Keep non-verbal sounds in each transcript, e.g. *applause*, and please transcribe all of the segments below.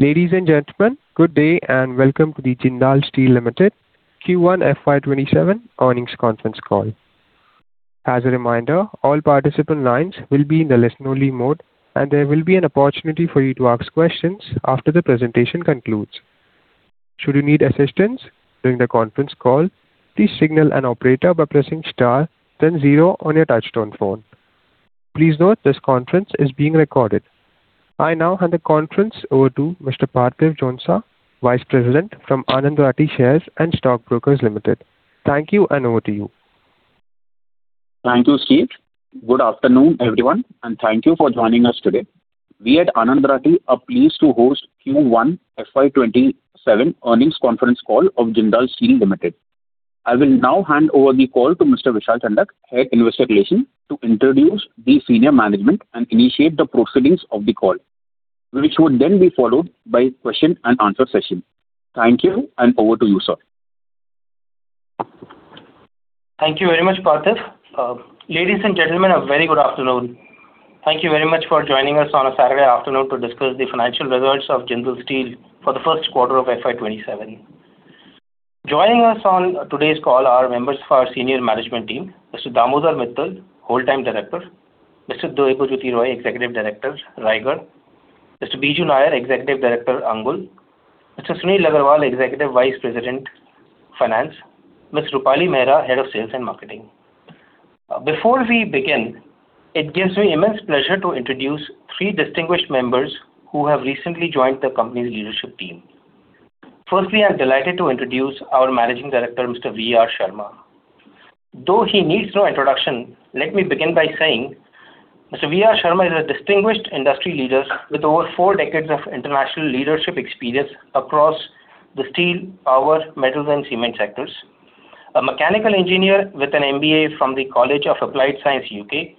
Ladies and gentlemen, good day and welcome to the Jindal Steel Limited Q1 FY 2027 earnings conference call. As a reminder, all participant lines will be in the listen only mode, and there will be an opportunity for you to ask questions after the presentation concludes. Should you need assistance during the conference call, please signal an operator by pressing star then zero on your touchtone phone. Please note this conference is being recorded. I now hand the conference over to Mr. Parthiv Jhonsa, Vice President from Anand Rathi Share and Stock Brokers Limited. Thank you, and over to you. Thank you, Steve. Good afternoon, everyone, and thank you for joining us today. We at Anand Rathi are pleased to host Q1 FY 2027 earnings conference call of Jindal Steel Limited. I will now hand over the call to Mr. Vishal Chandak, Head of Investor Relations, to introduce the senior management and initiate the proceedings of the call, which would then be followed by question and answer session. Thank you, and over to you, sir. Thank you very much, Parthiv. Ladies and gentlemen, a very good afternoon. Thank you very much for joining us on a Saturday afternoon to discuss the financial results of Jindal Steel for the first quarter of FY 2027. Joining us on today's call are members of our senior management team, Mr. Damodar Mittal, Wholetime Director. Mr. Debojyoti Roy, Executive Director, Raigarh. Mr. Biju Nair, Executive Director, Angul. Mr. Sunil Agarwal, Executive Vice President, Finance. Ms. Roopali Mehra, Head of Sales and Marketing. Before we begin, it gives me immense pleasure to introduce three distinguished members who have recently joined the company's leadership team. Firstly, I'm delighted to introduce our Managing Director, Mr. V.R. Sharma. Though he needs no introduction, let me begin by saying Mr. V.R. Sharma is a distinguished industry leader with over four decades of international leadership experience across the steel, power, metals, and cement sectors. A mechanical engineer with an MBA from the College of Applied Science, U.K.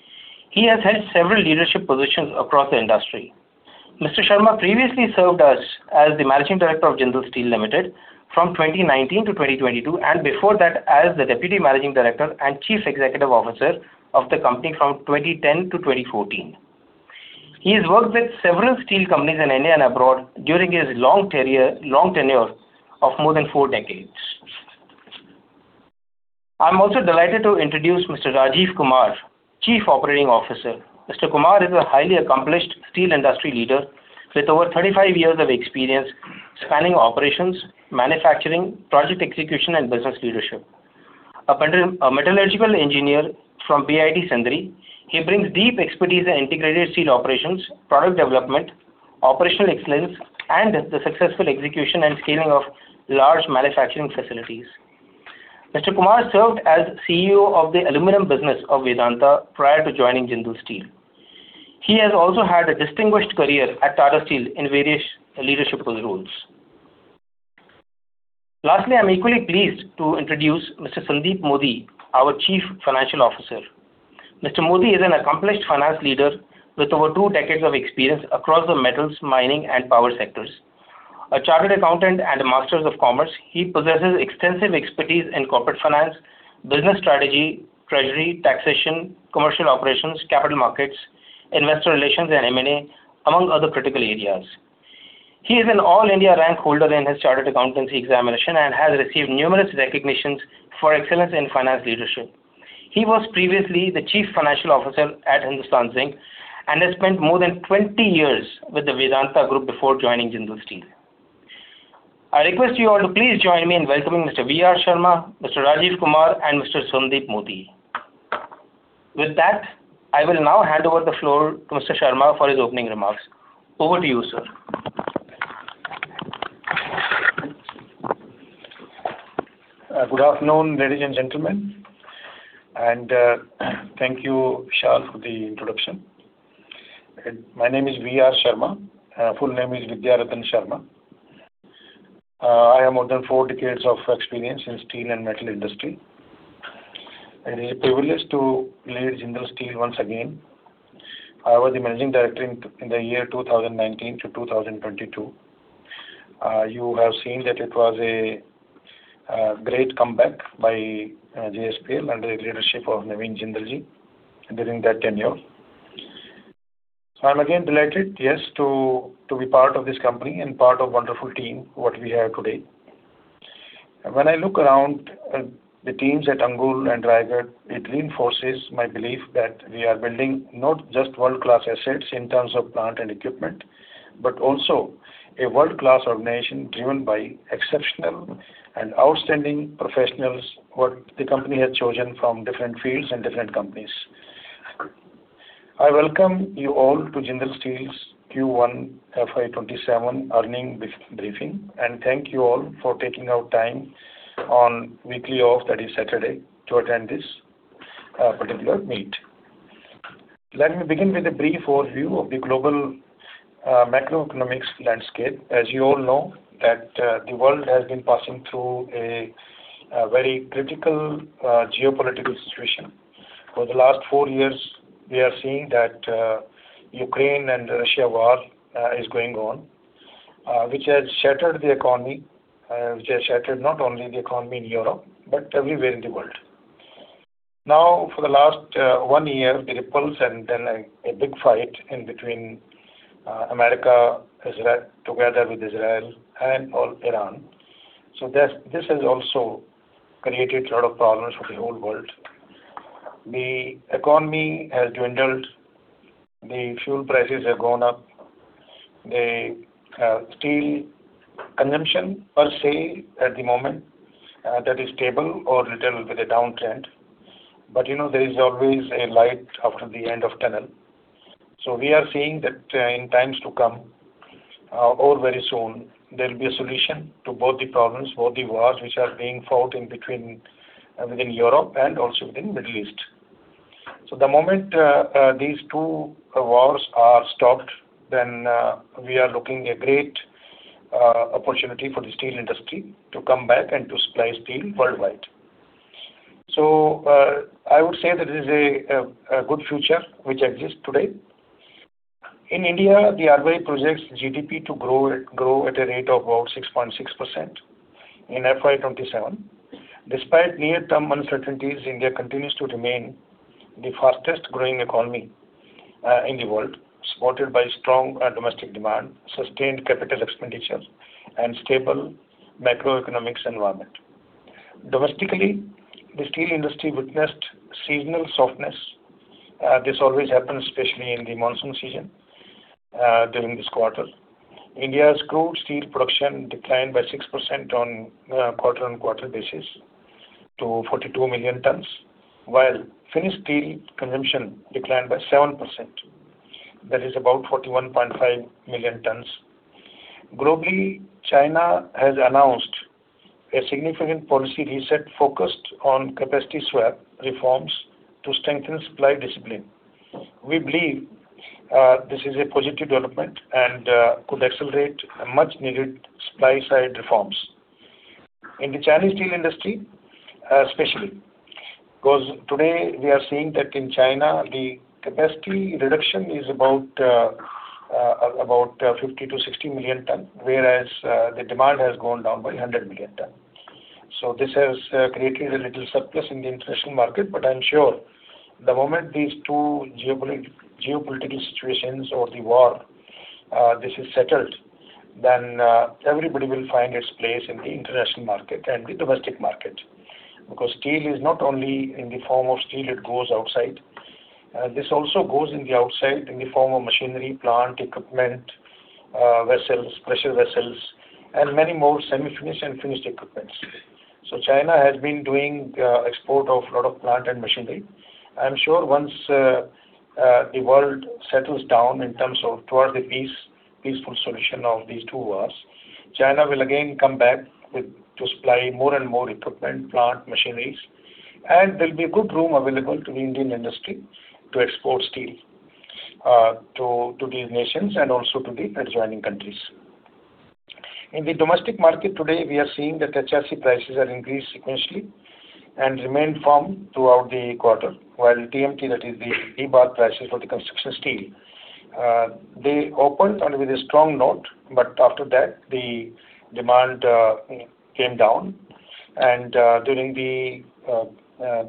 He has held several leadership positions across the industry. Mr. Sharma previously served us as the Managing Director of Jindal Steel Limited from 2019 to 2022, and before that as the Deputy Managing Director and Chief Executive Officer of the company from 2010 to 2014. He has worked with several steel companies in India and abroad during his long tenure of more than four decades. I'm also delighted to introduce Mr. Rajiv Kumar, Chief Operating Officer. Mr. Kumar is a highly accomplished steel industry leader with over 35 years of experience spanning operations, manufacturing, project execution, and business leadership. A metallurgical engineer from BIT Sindri, he brings deep expertise in integrated steel operations, product development, operational excellence, and the successful execution and scaling of large manufacturing facilities. Mr. Kumar served as CEO of the aluminum business of Vedanta prior to joining Jindal Steel. He has also had a distinguished career at Tata Steel in various leadership roles. Lastly, I am equally pleased to introduce Mr. Sandeep Modi, our Chief Financial Officer. Mr. Modi is an accomplished finance leader with over two decades of experience across the metals, mining, and power sectors. A chartered accountant and a Masters of Commerce, he possesses extensive expertise in corporate finance, business strategy, treasury, taxation, commercial operations, capital markets, investor relations, and M&A, among other critical areas. He is an all-India rank holder in his chartered accountancy examination and has received numerous recognitions for excellence in finance leadership. He was previously the Chief Financial Officer at Hindustan Zinc and has spent more than 20 years with the Vedanta Group before joining Jindal Steel. I request you all to please join me in welcoming Mr. V.R. Sharma, Mr. Rajiv Kumar, and Mr. Sandeep Modi. I will now hand over the floor to Mr. Sharma for his opening remarks. Over to you, sir. Good afternoon, ladies and gentlemen. Thank you, Vishal, for the introduction. My name is V.R. Sharma. Full name is Vidya Rattan Sharma. I have more than four decades of experience in steel and metal industry, and a privilege to lead Jindal Steel once again. I was the Managing Director in the year 2019-2022. You have seen that it was a great comeback by JSPL under the leadership of Naveen Jindal-ji during that tenure. I am again delighted to be part of this company and part of wonderful team what we have today. When I look around the teams at Angul and Raigarh, it reinforces my belief that we are building not just world-class assets in terms of plant and equipment, but also a world-class organization driven by exceptional and outstanding professionals who the company has chosen from different fields and different companies. I welcome you all to Jindal Steel's Q1 FY 2027 earnings briefing. Thank you all for taking out time on weekly off, that is Saturday, to attend this particular meet. Let me begin with a brief overview of the global macroeconomics landscape. As you all know that the world has been passing through a very critical geopolitical situation. For the last four years, we are seeing that Ukraine and Russia war is going on, which has shattered the economy, which has shattered not only the economy in Europe, but everywhere in the world. Now, for the last one year, there is a big fight in between America, together with Israel and Iran. This has also created a lot of problems for the whole world. The economy has dwindled. The fuel prices have gone up. The steel consumption per se at the moment, that is stable or little with a downtrend. There is always a light after the end of tunnel. We are seeing that in times to come, or very soon, there will be a solution to both the problems, both the wars which are being fought in between within Europe and also within Middle East. The moment these two wars are stopped, then we are looking a great opportunity for the steel industry to come back and to supply steel worldwide. I would say that it is a good future which exists today. In India, the RBI projects GDP to grow at a rate of about 6.6% in FY 2027. Despite near-term uncertainties, India continues to remain the fastest-growing economy in the world, supported by strong domestic demand, sustained capital expenditures, and stable macroeconomic environment. Domestically, the steel industry witnessed seasonal softness. This always happens especially in the monsoon season during this quarter. India's crude steel production declined by 6% on a quarter-on-quarter basis to 42 million tonnes, while finished steel consumption declined by 7%, that is about 41.5 million tonnes. Globally, China has announced a significant policy reset focused on capacity swap reforms to strengthen supply discipline. We believe this is a positive development and could accelerate much-needed supply-side reforms. In the Chinese steel industry, especially. Today we are seeing that in China, the capacity reduction is about 50 million tonnes-60 million tonnes, whereas the demand has gone down by 100 million tonne. This has created a little surplus in the international market, but I'm sure the moment these two geopolitical situations or the war, this is settled, then everybody will find its place in the international market and the domestic market. Steel is not only in the form of steel, it goes outside. This also goes in the outside in the form of machinery, plant, equipment, vessels, pressure vessels, and many more semi-finished and finished equipments. China has been doing export of lot of plant and machinery. I'm sure once the world settles down in terms of toward the peaceful solution of these two wars, China will again come back to supply more and more equipment, plant, machineries. There will be good room available to the Indian industry to export steel to these nations and also to the adjoining countries. In the domestic market today, we are seeing that HRC prices have increased sequentially and remained firm throughout the quarter. While TMT, that is the T bar prices for the construction steel, they opened with a strong note, but after that, the demand came down.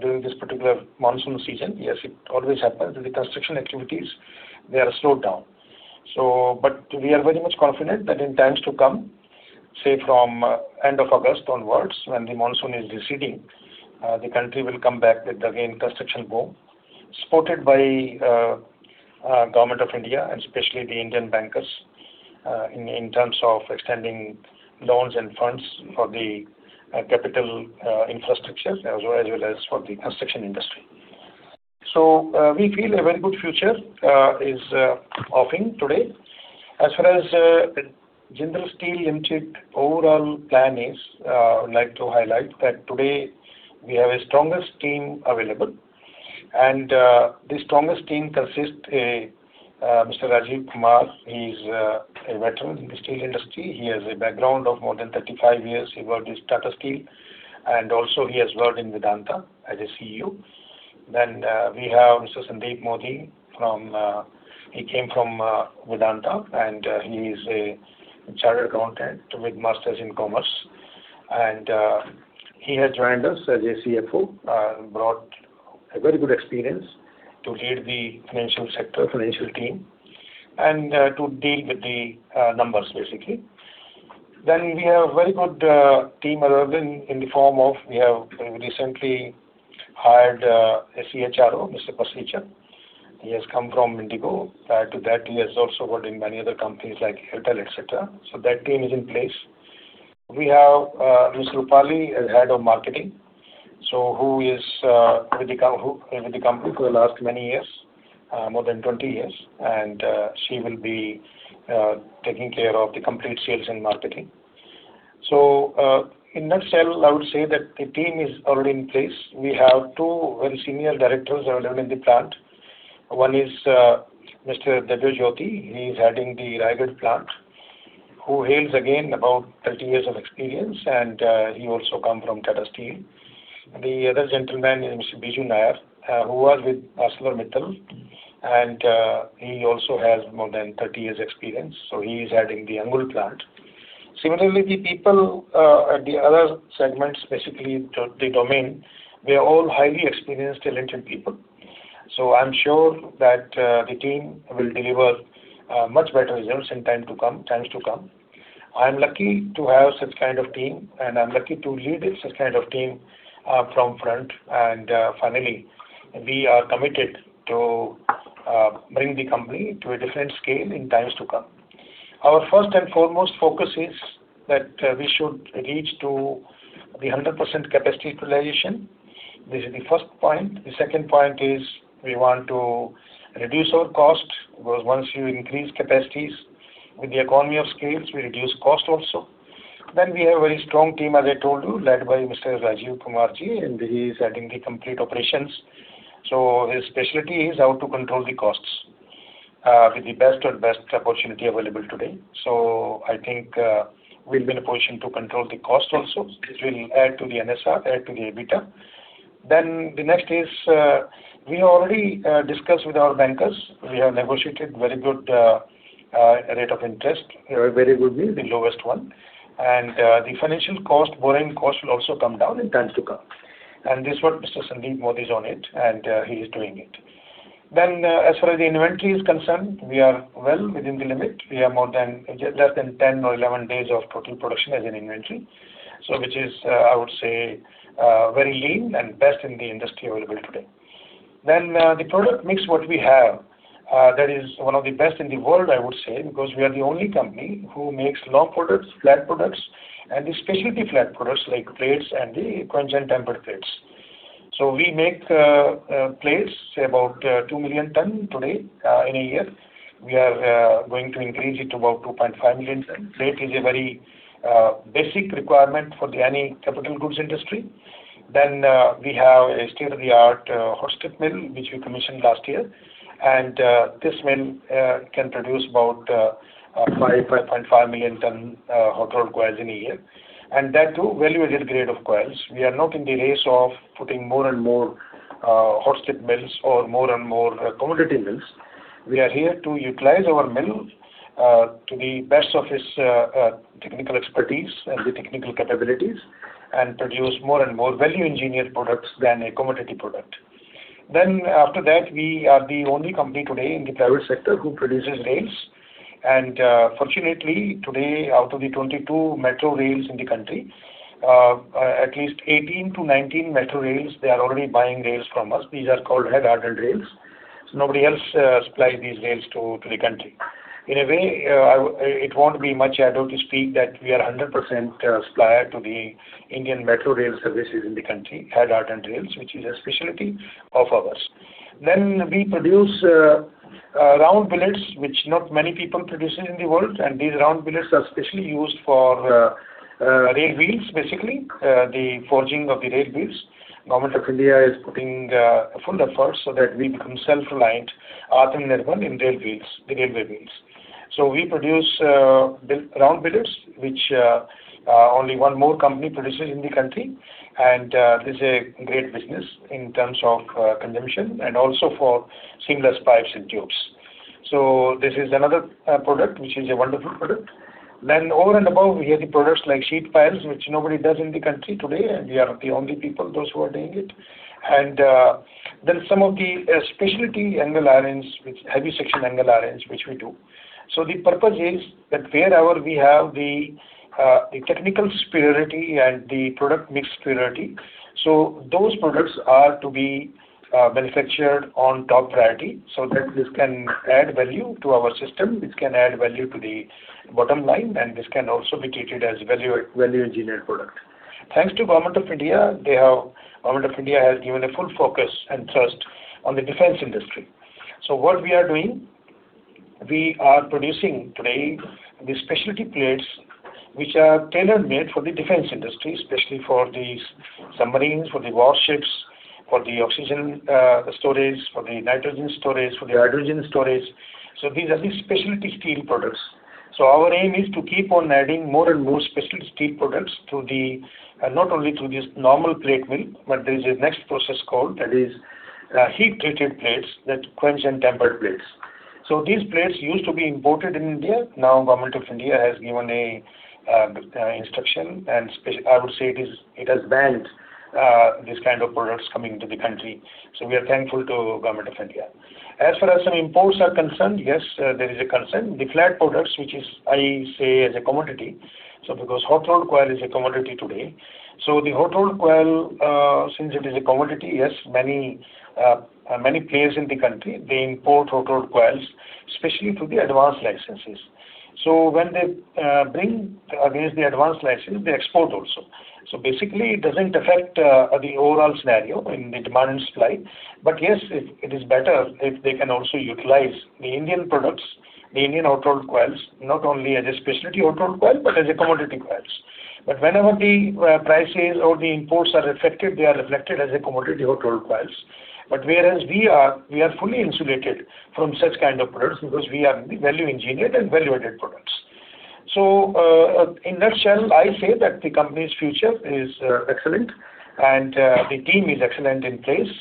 During this particular monsoon season, yes, it always happens with the construction activities, they are slowed down. We are very much confident that in times to come, say from end of August onwards, when the monsoon is receding, the country will come back with again construction boom, supported by Government of India and especially the Indian bankers, in terms of extending loans and funds for the capital infrastructure as well as for the construction industry. We feel a very good future is offering today. As far as Jindal Steel Limited overall plan is, I would like to highlight that today we have a strongest team available. The strongest team consists a Mr. Rajiv Kumar. He's a veteran in the steel industry. He has a background of more than 35 years. He worked with Tata Steel, and also he has worked in Vedanta as a CEO. We have Mr. Sandeep Modi. He came from Vedanta, and he is a chartered accountant with masters in commerce. He has joined us as a CFO, brought a very good experience to lead the financial sector, financial team, and to deal with the numbers, basically. We have very good team around in the form of we have recently hired a CHRO, Mr. Pasricha. He has come from IndiGo. Prior to that, he has also worked in many other companies like Airtel, et cetera. That team is in place. We have Ms. Roopali as head of marketing, who is with the company for the last many years, more than 20 years. She will be taking care of the complete sales and marketing. In a nutshell, I would say that the team is already in place. We have two very senior directors who are there in the plant. One is Mr. Debojyoti. He's heading the Raigarh plant, who hails again about 30 years of experience, and he also come from Tata Steel. The other gentleman is Mr. Biju Nair, who was with ArcelorMittal, and he also has more than 30 years experience. He is heading the Angul plant. Similarly, the people at the other segments, specifically the domain, they are all highly experienced, talented people. I'm sure that the team will deliver much better results in times to come. I'm lucky to have such kind of team, and I'm lucky to lead such kind of team from front. Finally, we are committed to bring the company to a different scale in times to come. Our first and foremost focus is that we should reach to the 100% capacity utilization. This is the first point. The second point is we want to reduce our cost, because once you increase capacities, with the economy of scales, we reduce cost also. We have a very strong team, as I told you, led by Mr. Rajiv Kumar-ji, and he is heading the complete operations. His specialty is how to control the costs with the best of best opportunity available today. I think we'll be in a position to control the cost also, which will add to the NSR, add to the EBITDA. The next is, we already discussed with our bankers. We have negotiated very good rate of interest, very good means the lowest one. The financial cost, borrowing cost will also come down in times to come. This what Mr. Sandeep Modi is on it, and he is doing it. As far as the inventory is concerned, we are well within the limit. We have less than 10 or 11 days of total production as an inventory. Which is, I would say, very lean and best in the industry available today. The product mix what we have, that is one of the best in the world, I would say, because we are the only company who makes long products, flat products, and the specialty flat products like plates and the quenched and tempered plates. We make plates, about 2 million tonnes today in a year. We are going to increase it to about 2.5 million tonnes. Plate is a very basic requirement for any capital goods industry. We have a state-of-the-art hot strip mill, which we commissioned last year. This mill can produce about 5.5 million tonnes hot rolled coils in a year. That too, value-added grade of coils. We are not in the race of putting more and more hot strip mills or more and more commodity mills. We are here to utilize our mill to the best of its technical expertise and the technical capabilities and produce more and more value-engineered products than a commodity product. After that, we are the only company today in the private sector who produces rails. Fortunately, today, out of the 22 metro rails in the country, at least 18-19 metro rails, they are already buying rails from us. These are called hardened rails. Nobody else supplies these rails to the country. In a way, it won't be much adult to speak that we are 100% supplier to the Indian metro rail services in the country, hardened rails, which is a specialty of ours. We produce round billets, which not many people produce in the world. These round billets are specially used for rail wheels, basically, the forging of the rail wheels. Government of India is putting a full effort so that we become self-reliant, Atmanirbhar in rail wheels, the railway wheels. We produce round billets, which only one more company produces in the country. This is a great business in terms of consumption and also for seamless pipes and tubes. This is another product, which is a wonderful product. Over and above, we have the products like sheet piles, which nobody does in the country today, and we are the only people those who are doing it. And then some of the specialty angle irons, which heavy section angle irons, which we do. The purpose is that wherever we have the technical superiority and the product mix superiority, those products are to be manufactured on top priority so that this can add value to our system, which can add value to the bottom line, and this can also be treated as value-engineered product. Thanks to Government of India, Government of India has given a full focus and trust on the defense industry. What we are doing, we are producing today the specialty plates which are tailor-made for the defense industry, especially for the submarines, for the warships, for the oxygen storage, for the nitrogen storage, for the hydrogen storage. These are the specialty steel products. Our aim is to keep on adding more and more specialty steel products, not only through this normal plate mill, but there's a next process called, that is, heat-treated plates, that quenched and tempered plates. These plates used to be imported in India. Now Government of India has given a instruction, and I would say it has banned these kind of products coming into the country. We are thankful to Government of India. As far as some imports are concerned, yes, there is a concern. The flat products, which is I say as a commodity. Because hot rolled coil is a commodity today. The hot rolled coil, since it is a commodity, yes, many players in the country, they import hot rolled coils, especially through the advance licenses. When they bring against the advance license, they export also. Basically, it doesn't affect the overall scenario in the demand and supply. Yes, it is better if they can also utilize the Indian products, the Indian hot rolled coils, not only as a specialty hot rolled coil, but as a commodity coils. Whenever the prices or the imports are affected, they are reflected as a commodity hot rolled coils. Whereas we are fully insulated from such kind of products because we are the value-engineered and value-added products. In a nutshell, I say that the company's future is excellent, and the team is excellent in place.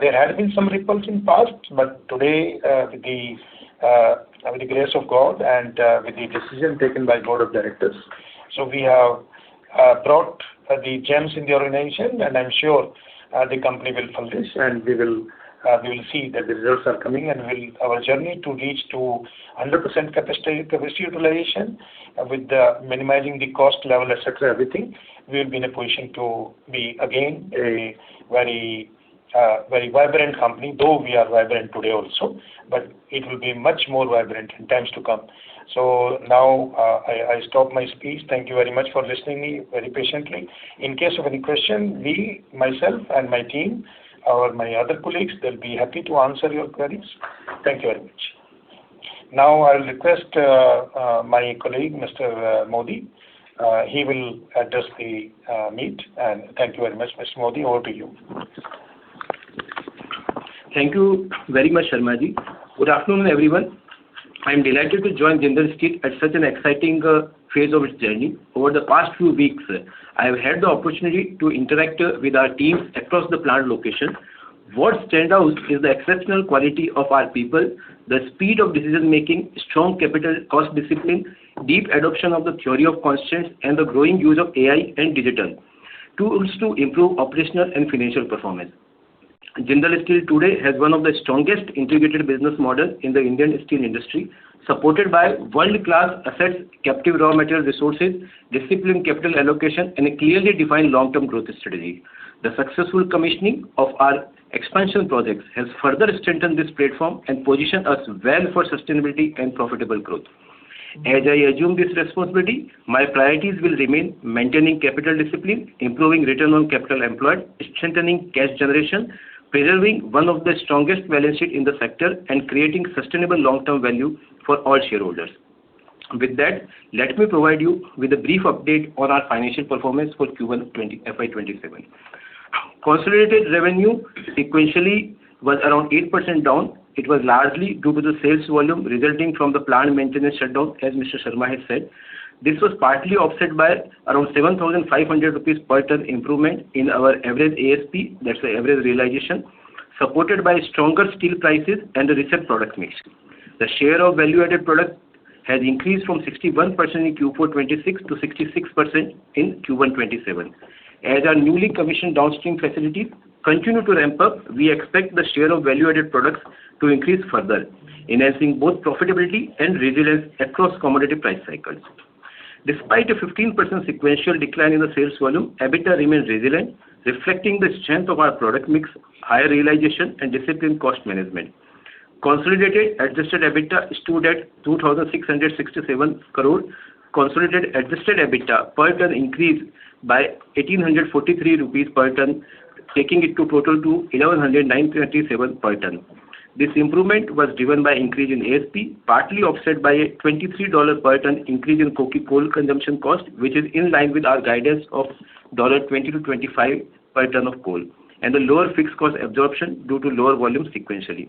There had been some ripples in past, but today, with the grace of God and with the decision taken by Board of Directors, we have brought the gems in the organization, and I'm sure the company will publish and we will see that the results are coming, and our journey to reach to 100% capacity utilization with minimizing the cost level, et cetera, everything, we'll be in a position to be again, a very vibrant company. Though we are vibrant today also, but it will be much more vibrant in times to come. Now, I stop my speech. Thank you very much for listening me very patiently. In case of any question, me, myself, and my team, or my other colleagues, they'll be happy to answer your queries. Thank you very much. Now I'll request my colleague, Mr. Modi. He will address the meet. Thank you very much. Mr. Modi, over to you. Thank you very much, Sharma-ji. Good afternoon, everyone. I'm delighted to join Jindal Steel at such an exciting phase of its journey. Over the past few weeks, I have had the opportunity to interact with our teams across the plant locations. What stands out is the exceptional quality of our people, the speed of decision-making, strong capital cost discipline, deep adoption of the theory of constraints, and the growing use of AI and digital tools to improve operational and financial performance. Jindal Steel today has one of the strongest integrated business model in the Indian steel industry, supported by world-class assets, captive raw material resources, disciplined capital allocation, and a clearly defined long-term growth strategy. The successful commissioning of our expansion projects has further strengthened this platform and positioned us well for sustainability and profitable growth. As I assume this responsibility, my priorities will remain maintaining capital discipline, improving return on capital employed, strengthening cash generation, preserving one of the strongest balance sheet in the sector, and creating sustainable long-term value for all shareholders. With that, let me provide you with a brief update on our financial performance for Q1 FY 2027. Consolidated revenue sequentially was around 8% down. It was largely due to the sales volume resulting from the plant maintenance shutdown, as Mr. Sharma has said. This was partly offset by around 7,500 rupees per tonne improvement in our average ASP, that's the average realization, supported by stronger steel prices and the richer product mix. The share of value-added product has increased from 61% in Q4 2026 to 66% in Q1 2027. As our newly commissioned downstream facilities continue to ramp up, we expect the share of value-added products to increase further, enhancing both profitability and resilience across commodity price cycles. Despite a 15% sequential decline in the sales volume, EBITDA remains resilient, reflecting the strength of our product mix, higher realization, and disciplined cost management. Consolidated adjusted EBITDA stood at 2,667 crore. Consolidated adjusted EBITDA per tonne increased by 1,843 rupees per tonne, taking it to total to [1,197] per tonne. This improvement was driven by increase in ASP, partly offset by a $23 per tonne increase in coking coal consumption cost, which is in line with our guidance of $20-$25 per tonne of coal, and the lower fixed cost absorption due to lower volume sequentially.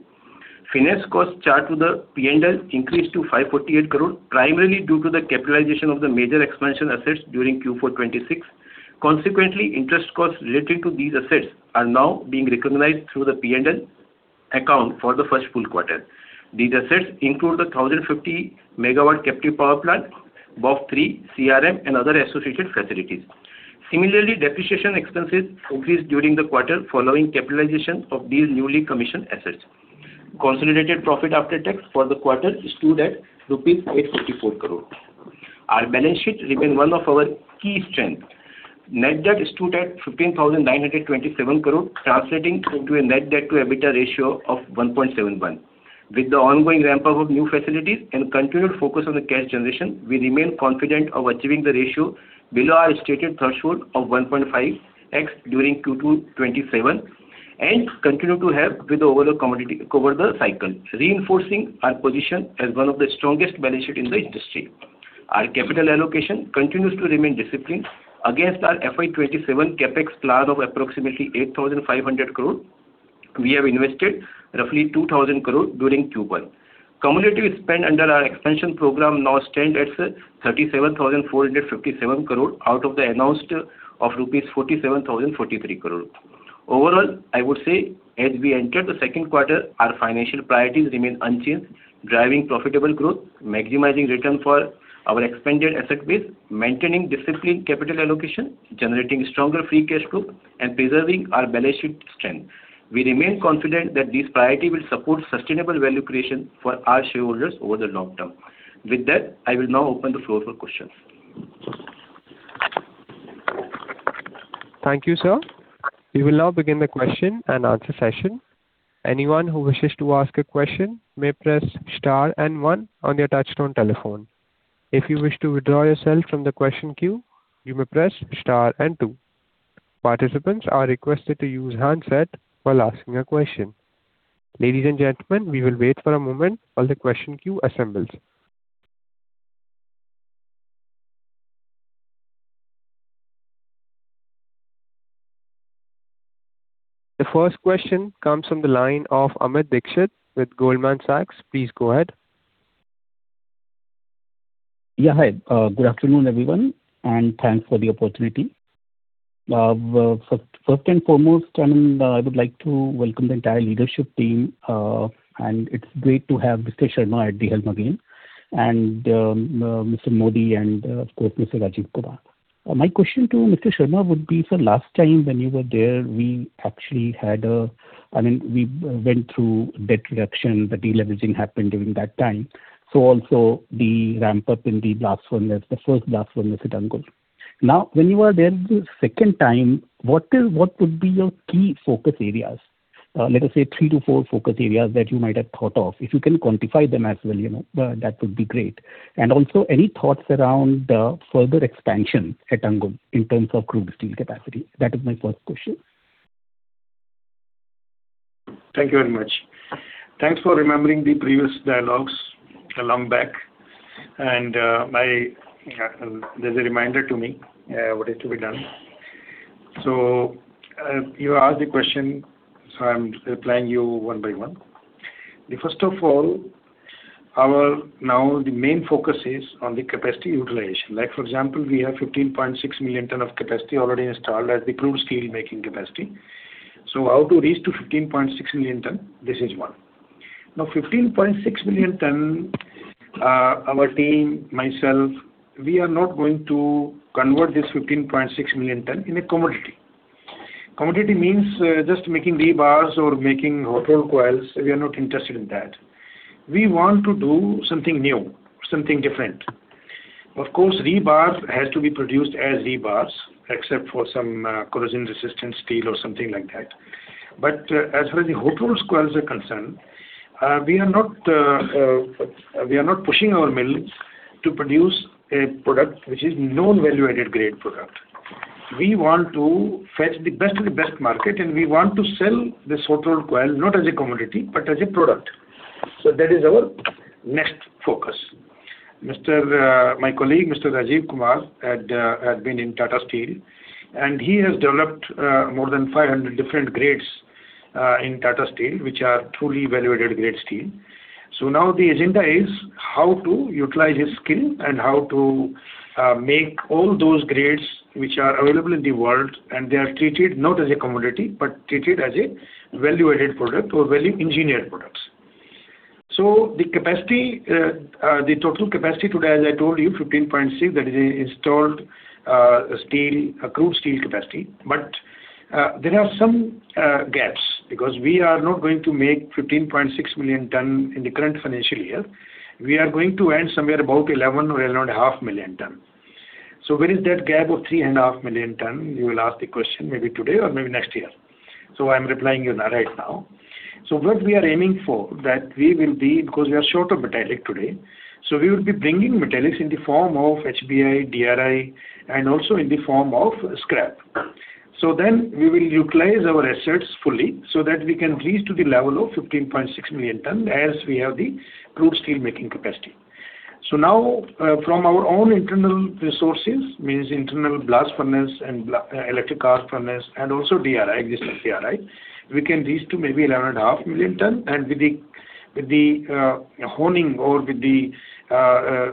Finance cost charged to the P&L increased to 548 crore, primarily due to the capitalization of the major expansion assets during Q4 2026. Consequently, interest costs related to these assets are now being recognized through the P&L account for the first full quarter. These assets include the 1,050 MW captive power plant, BOF 3, CRM, and other associated facilities. Similarly, depreciation expenses increased during the quarter following capitalization of these newly commissioned assets. Consolidated profit after tax for the quarter stood at INR 854 crore. Our balance sheet remains one of our key strengths. Net debt stood at 15,927 crore, translating into a net debt to EBITDA ratio of 1.71x. With the ongoing ramp-up of new facilities and continued focus on the cash generation, we remain confident of achieving the ratio below our stated threshold of 1.5x during Q2 2027 and continue to have with over the commodity cover the cycle, reinforcing our position as one of the strongest balance sheet in the industry. Our capital allocation continues to remain disciplined. Against our FY 2027 CapEx plan of approximately 8,500 crore, we have invested roughly 2,000 crore during Q1. Cumulative spend under our expansion program now stands at 37,457 crore out of the announced of rupees 47,043 crore. Overall, I would say as we enter the second quarter, our financial priorities remain unchanged, driving profitable growth, maximizing return for our expanded asset base, maintaining disciplined capital allocation, generating stronger free cash flow, and preserving our balance sheet strength. We remain confident that this priority will support sustainable value creation for our shareholders over the long term. With that, I will now open the floor for questions. Thank you, sir. We will now begin the question and answer session. Anyone who wishes to ask a question may press star and one on your touchtone telephone. If you wish to withdraw yourself from the question queue, you may press star and two. Participants are requested to use handset while asking a question. Ladies and gentlemen, we will wait for a moment while the question queue assembles. The first question comes from the line of Amit Dixit with Goldman Sachs. Please go ahead. Yeah, hi. Good afternoon, everyone, Thanks for the opportunity. First and foremost, I would like to welcome the entire leadership team, It's great to have Mr. Sharma at the helm again, Mr. Modi, and of course, Mr. Rajiv Kumar. My question to Mr. Sharma would be, sir, last time when you were there, we went through debt reduction. The deleveraging happened during that time. Also the ramp-up in the blast furnace, the first blast furnace at Angul. Now, when you are there the second time, what would be your key focus areas? Let us say three to four focus areas that you might have thought of. If you can quantify them as well, that would be great. Also, any thoughts around further expansion at Angul in terms of crude steel capacity? That is my first question. Thank you very much. Thanks for remembering the previous dialogues long back. There's a reminder to me what is to be done. You asked the question, I'm replying you one by one. First of all, now the main focus is on the capacity utilization. Like for example, we have 15.6 million tonnes of capacity already installed as the crude steel making capacity. How to reach to 15.6 million tonnes? This is one. Now 15.6 million tonnes, our team, myself, we are not going to convert this 15.6 million tonnes in a commodity. Commodity means just making rebars or making hot-rolled coils. We are not interested in that. We want to do something new, something different. Of course, rebar has to be produced as rebars, except for some corrosion-resistant steel or something like that. As far as the hot-rolled coils are concerned, we are not pushing our mills to produce a product which is non-value-added grade product. We want to fetch the best of the best market, We want to sell this hot-rolled coil not as a commodity, but as a product. That is our next focus. My colleague, Mr. Rajiv Kumar, had been in Tata Steel, He has developed more than 500 different grades in Tata Steel, which are truly value-added grade steel. Now the agenda is how to utilize his skill and how to make all those grades which are available in the world, They are treated not as a commodity, but treated as a value-added product or value-engineered products. The total capacity today, as I told you, 15.6 million tonnes, that is installed crude steel capacity. There are some gaps, because we are not going to make 15.6 million tonnes in the current financial year. We are going to end somewhere about 11 million tonnes or 11.5 million tonnes. Where is that gap of 3.5 million tonnes? You will ask the question maybe today or maybe next year. I'm replying you right now. What we are aiming for, that we will be, because we are short of metallic today, we will be bringing metallics in the form of HBI, DRI, and also in the form of scrap. We will utilize our assets fully so that we can reach to the level of 15.6 million tonnes as we have the crude steel making capacity. From our own internal resources, means internal blast furnace and electric arc furnace, and also DRI, existing DRI, we can reach to maybe 11.5 million tonnes, and with the honing or with the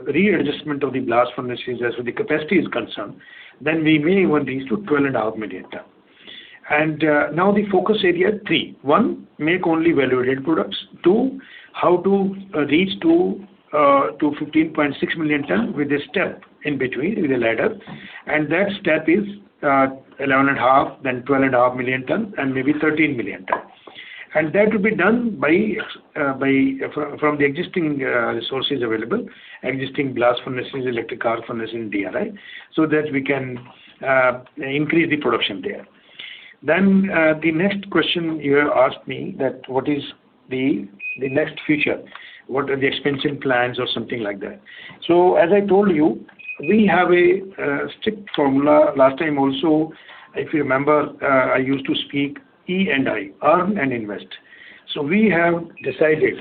readjustment of the blast furnaces as far the capacity is concerned, we may even reach to 12.5 million tonnes. The focus area three. One, make only value-added products. Two, how to reach to 15.6 million tonnes with a step in between, with a ladder. That step is 11.5 million tonnes then 12.5 million tonnes, and maybe 13 million tonnes. That will be done from the existing resources available, existing blast furnaces, electric arc furnace, and DRI, that we can increase the production there. The next question you asked me that what is the next future? What are the expansion plans or something like that. As I told you, we have a strict formula. Last time also, if you remember, I used to speak E&I, earn and invest. We have decided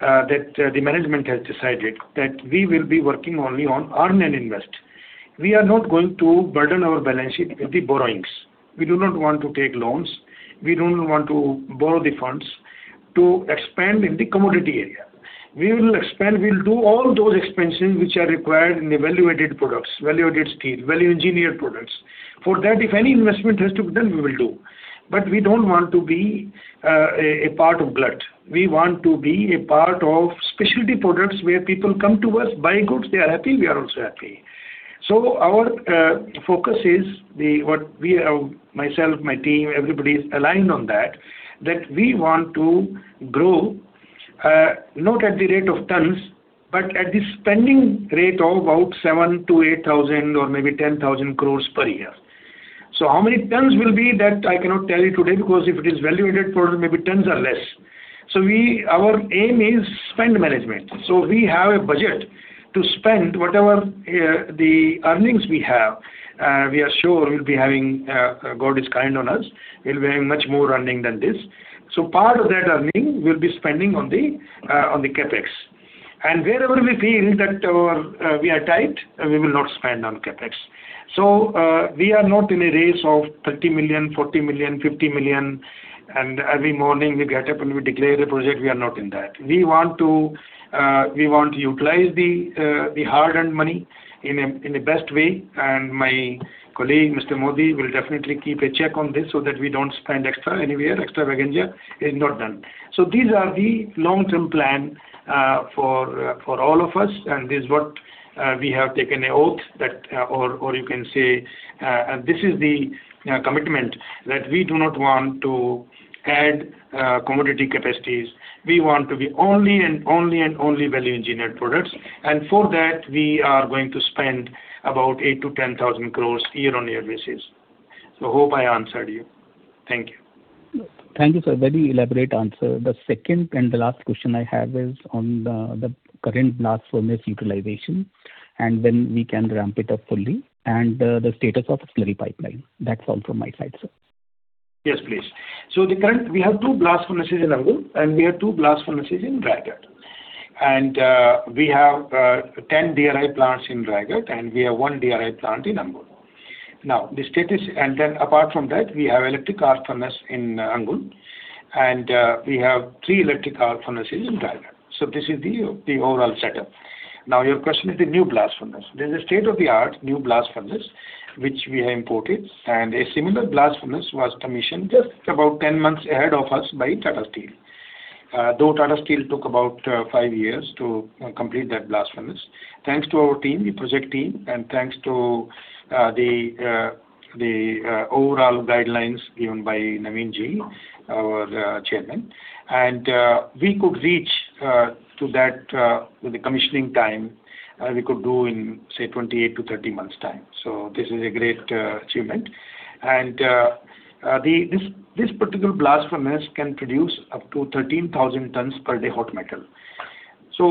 that, the management has decided that we will be working only on earn and invest. We are not going to burden our balance sheet with the borrowings. We do not want to take loans. We don't want to borrow the funds to expand in the commodity area. We will expand, we'll do all those expansions which are required in the value-added products, value-added steel, value-engineered products. For that, if any investment has to be done, we will do. We don't want to be a part of glut. We want to be a part of specialty products where people come to us, buy goods, they are happy, we are also happy. Our focus is, myself, my team, everybody's aligned on that we want to grow, not at the rate of tonnes, but at the spending rate of about 7,000 crore-8,000 crore or maybe 10,000 crore per year. How many tonnes will be, that I cannot tell you today, because if it is value-added product, maybe tonnes are less. Our aim is spend management. We have a budget to spend whatever the earnings we have. We are sure we'll be having, God is kind on us, we'll be having much more earning than this. Part of that earning we'll be spending on the CapEx. Wherever we feel that we are tight, we will not spend on CapEx. We are not in a race of 30 million, 40 million, 50 million, and every morning we get up and we declare the project. We are not in that. We want to utilize the hard-earned money in the best way, and my colleague, Mr. Modi, will definitely keep a check on this that we don't spend extra anywhere. Extravaganza is not done. These are the long-term plan for all of us, and this is what we have taken an oath, or you can say, this is the commitment that we do not want to add commodity capacities. We want to be only and only and only value-engineered products. And for that, we are going to spend about 8,000 crore-10,000 crore year-on-year basis. Hope I answered you. Thank you. Thank you, sir. Very elaborate answer. The second and the last question I have is on the current blast furnace utilization and when we can ramp it up fully, and the status of slurry pipeline. That's all from my side, sir. Yes, please. We have two blast furnaces in Angul, and we have two blast furnaces in Raigarh. And we have 10 DRI plants in Raigarh, and we have one DRI plant in Angul. And then apart from that, we have electric arc furnace in Angul, and we have three electric arc furnaces in Raigarh. This is the overall setup. Now your question is the new blast furnace. There's a state-of-the-art new blast furnace, which we have imported, and a similar blast furnace was commissioned just about 10 months ahead of us by Tata Steel. Though Tata Steel took about five years to complete that blast furnace, thanks to our team, the project team, and thanks to the overall guidelines given by Naveen-ji, our chairman. And we could reach that with the commissioning time, we could do in, say, 28-30 months time. This is a great achievement. And this particular blast furnace can produce up to 13,000 tonnes per day hot metal.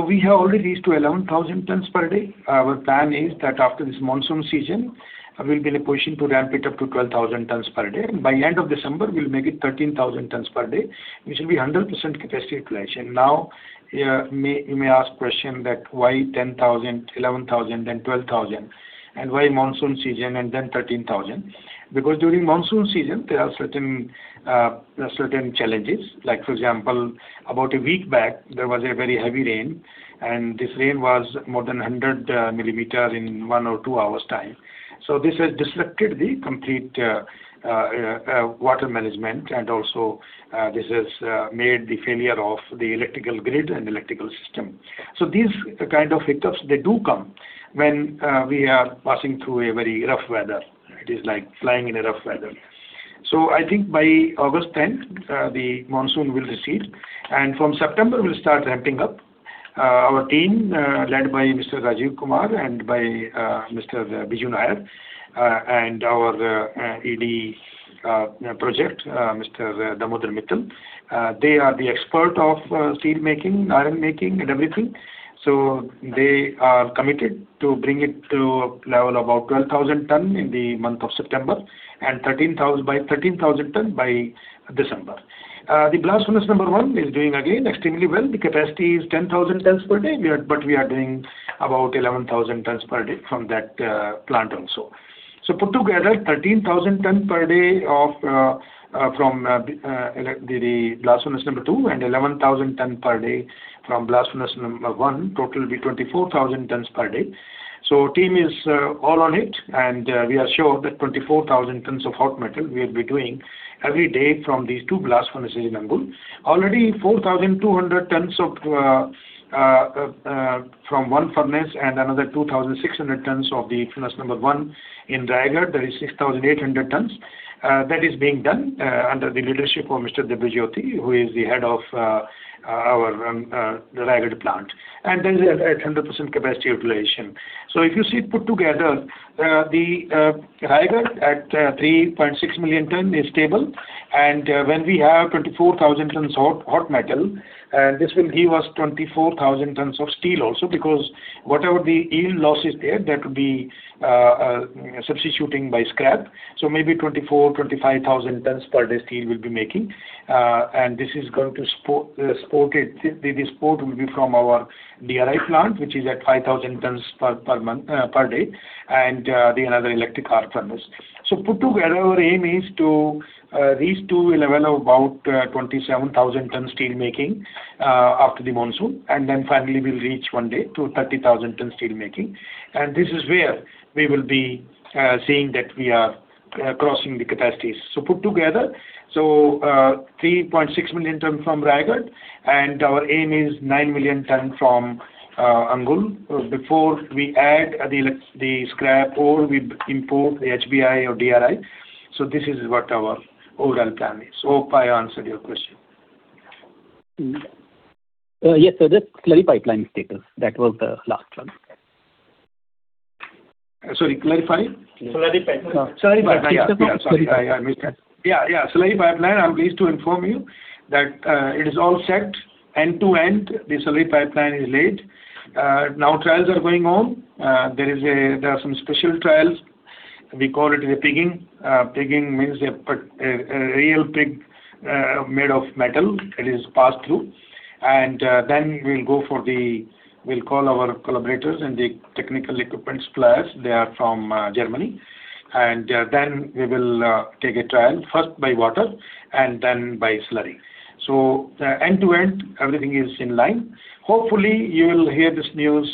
We have already reached to 11,000 tonnes per day. Our plan is that after this monsoon season, we'll be in a position to ramp it up to 12,000 tonnes per day. By end of December, we'll make it 13,000 tonnes per day, which will be 100% capacity utilization. Now, you may ask question that why 10,000 tonnes, 11,000 tonnes, then 12,000 tonnes, and why monsoon season, and then 13,000 tonnes? Because during monsoon season, there are certain challenges. Like for example, about a week back, there was a very heavy rain, and this rain was more than 100 mm in one or two hours time. This has disrupted the complete water management and also this has made the failure of the electrical grid and electrical system. These kind of hiccups, they do come when we are passing through a very rough weather. It is like flying in a rough weather. I think by August 10th, the monsoon will recede, and from September, we'll start ramping up. Our team, led by Mr. Rajiv Kumar and by Mr. Biju Nair, and our ED Project, Mr. Damodar Mittal, they are the expert of steel making, iron making, and everything. They are committed to bring it to a level about 12,000 tonnes in the month of September, and 13,000 tonnes by December. The blast furnace number one is doing again extremely well. The capacity is 10,000 tonnes per day, but we are doing about 11,000 tonnes per day from that plant also. Put together, 13,000 tonnes per day from the blast furnace number two and 11,000 tonnes per day from blast furnace number one, total will be 24,000 tonnes per day. Team is all on it, and we are sure that 24,000 tonnes of hot metal we'll be doing every day from these two blast furnaces in Angul. Already 4,200 tonnes from one furnace and another 2,600 tonnes of the furnace number one in Raigarh, that is 6,800 tonnes. That is being done under the leadership of Mr. Debojyoti, who is the head of our Raigarh plant. That is at 100% capacity utilization. If you see put together, the Raigarh at 3.6 million tonnes is stable, and when we have 24,000 tonnes of hot metal, this will give us 24,000 tonnes of steel also, because whatever the yield loss is there, that will be substituting by scrap. Maybe 24,000 tonnes-25,000 tonnes per day steel we'll be making. The export will be from our DRI plant, which is at 5,000 tonnes per day, and the another electric arc furnace. Put together, our aim is to reach to a level of about 27,000 tonnes steel making after the monsoon, finally we'll reach one day to 30,000 tonnes steel making. This is where we will be seeing that we are crossing the capacities. Put together, 3.6 million tonnes from Raigarh and our aim is 9 million tonnes from Angul before we add the scrap or we import the HBI or DRI. This is what our overall plan is. Hope I answered your question. Yes, sir. The slurry pipeline status. That was the last one. Sorry, clarify? Slurry pipeline. Slurry pipeline status. Yeah, sorry. I missed that. Yeah. Slurry pipeline, I'm pleased to inform you that it is all set end to end. The slurry pipeline is laid. Trials are going on. There are some special trials. We call it a pigging. Pigging means a real pig made of metal. It is passed through. Then we'll call our collaborators and the technical equipment suppliers. They are from Germany. Then we will take a trial, first by water and then by slurry. End-to-end, everything is in line. Hopefully, you will hear this news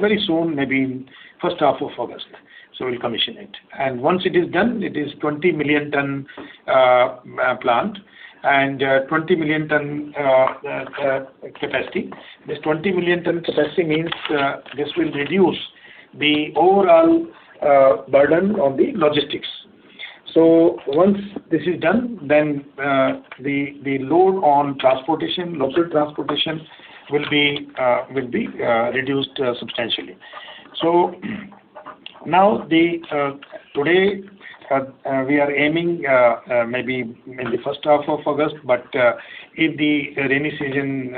very soon, maybe in first half of August. We'll commission it. Once it is done, it is 20 million tonne plant and 20 million tonne capacity. This 20 million tonne capacity means this will reduce the overall burden on the logistics. Once this is done, then the load on local transportation will be reduced substantially. Now, today we are aiming maybe in the first half of August, but if the rainy season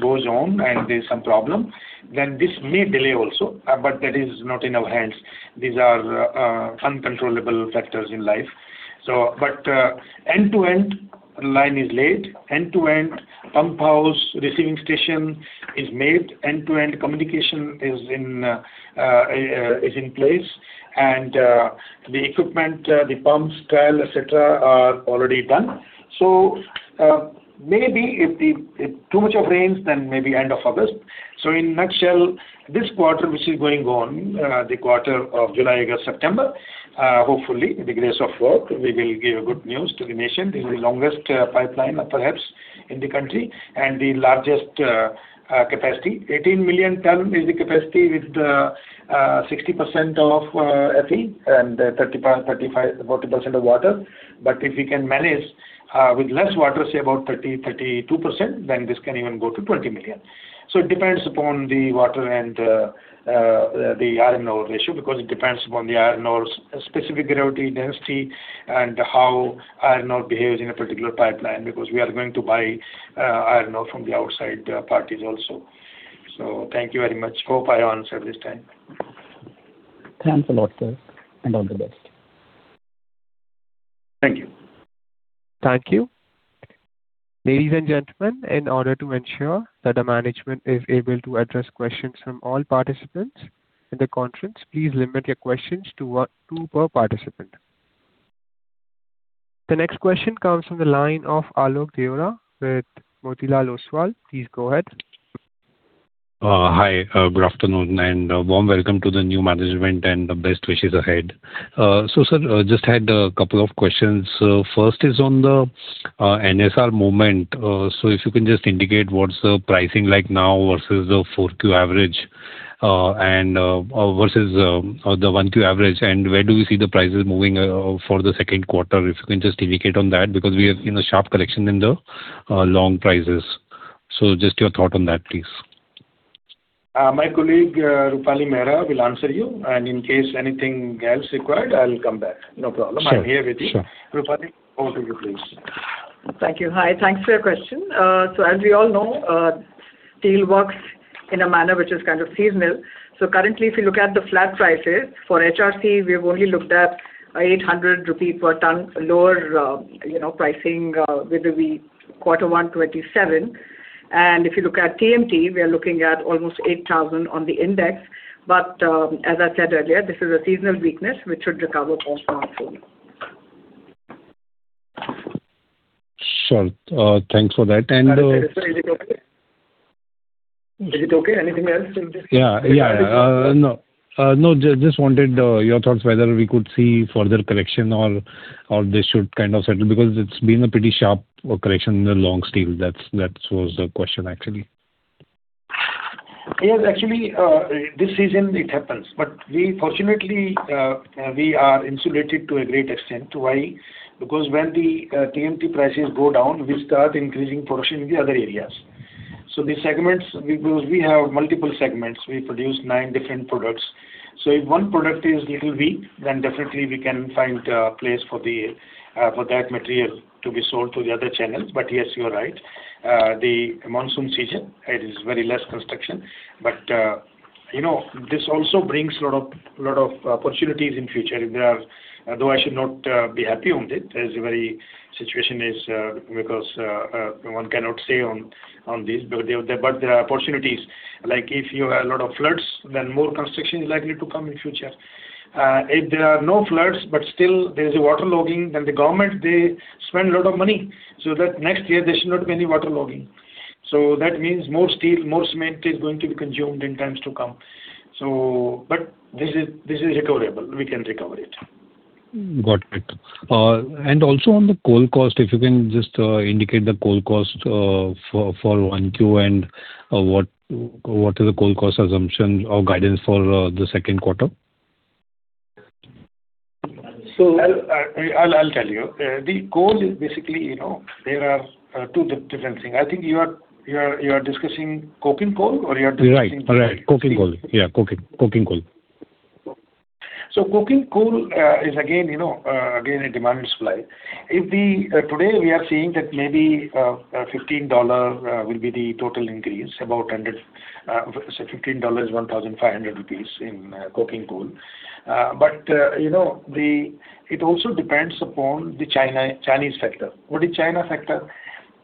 goes on and there is some problem, then this may delay also, but that is not in our hands. These are uncontrollable factors in life. End-to-end line is laid, end-to-end pump house receiving station is made, end-to-end communication is in place, and the equipment, the pumps, trial, et cetera, are already done. Maybe if too much of rains, then maybe end of August. In a nutshell, this quarter which is going on, the quarter of July, August, September, hopefully, with the grace of work, we will give good news to the nation. This is the longest pipeline perhaps in the country and the largest capacity. 18 million tonnes is the capacity with 60% of FE and 35%-40% of water. If we can manage with less water, say about 30%-32%, then this can even go to 20 million tonnes. It depends upon the water and the iron ore ratio because it depends upon the iron ore's specific gravity density and how iron ore behaves in a particular pipeline because we are going to buy iron ore from the outside parties also. Thank you very much. Hope I answered this time. Thanks a lot, sir, and all the best. Thank you. Thank you. Ladies and gentlemen, in order to ensure that the management is able to address questions from all participants in the conference, please limit your questions to two per participant. The next question comes from the line of Alok Deora with Motilal Oswal. Please go ahead. Hi. Good afternoon, and a warm welcome to the new management and best wishes ahead. Sir, just had a couple of questions. First is on the NSR movement. If you can just indicate what's the pricing like now versus the 4Q average and versus the 1Q average, and where do we see the prices moving for the second quarter? If you can just indicate on that because we have seen a sharp correction in the long prices. Just your thought on that, please. My colleague, Roopali Mehra, will answer you, and in case anything else required, I'll come back. No problem. Sure. I'm here with you. Sure. Roopali, over to you, please. Thank you. Hi. Thanks for your question. As we all know, steel works in a manner which is kind of seasonal. Currently if you look at the flat prices for HRC, we've only looked at 800 rupees per tonne lower pricing vis-a-vis quarter one 2027. If you look at TMT, we are looking at almost 8,000 on the index. As I said earlier, this is a seasonal weakness which should recover from monsoon. Sure. Thanks for that. Is it okay? Anything else? Yeah. No. Just wanted your thoughts whether we could see further correction or this should kind of settle because it's been a pretty sharp correction in the long steel. That was the question actually. Yes, actually, this season it happens, but fortunately, we are insulated to a great extent. Why? When the TMT prices go down, we start increasing production in the other areas. The segments, because we have multiple segments. We produce nine different products. If one product is little weak, then definitely we can find a place for that material to be sold to the other channels. Yes, you are right. The monsoon season, it is very less construction. This also brings a lot of opportunities in future. Though I should not be happy on it as the very situation is because one cannot say on this, but there are opportunities. Like if you have a lot of floods, then more construction is likely to come in future. If there are no floods, but still there's a waterlogging, then the government, they spend a lot of money so that next year there should not be any waterlogging. That means more steel, more cement is going to be consumed in times to come. This is recoverable. We can recover it. Got it. Also on the coal cost, if you can just indicate the coal cost for 1Q and what is the coal cost assumption or guidance for the second quarter? I'll tell you. The coal is basically, there are two different things. I think you are discussing coking coal or you are discussing- Right. Coking coal. Yeah. Coking coal. Coking coal is again a demand and supply. Today we are seeing that maybe $15 will be the total increase. $15, 1,500 rupees in coking coal. It also depends upon the Chinese factor. What is China factor?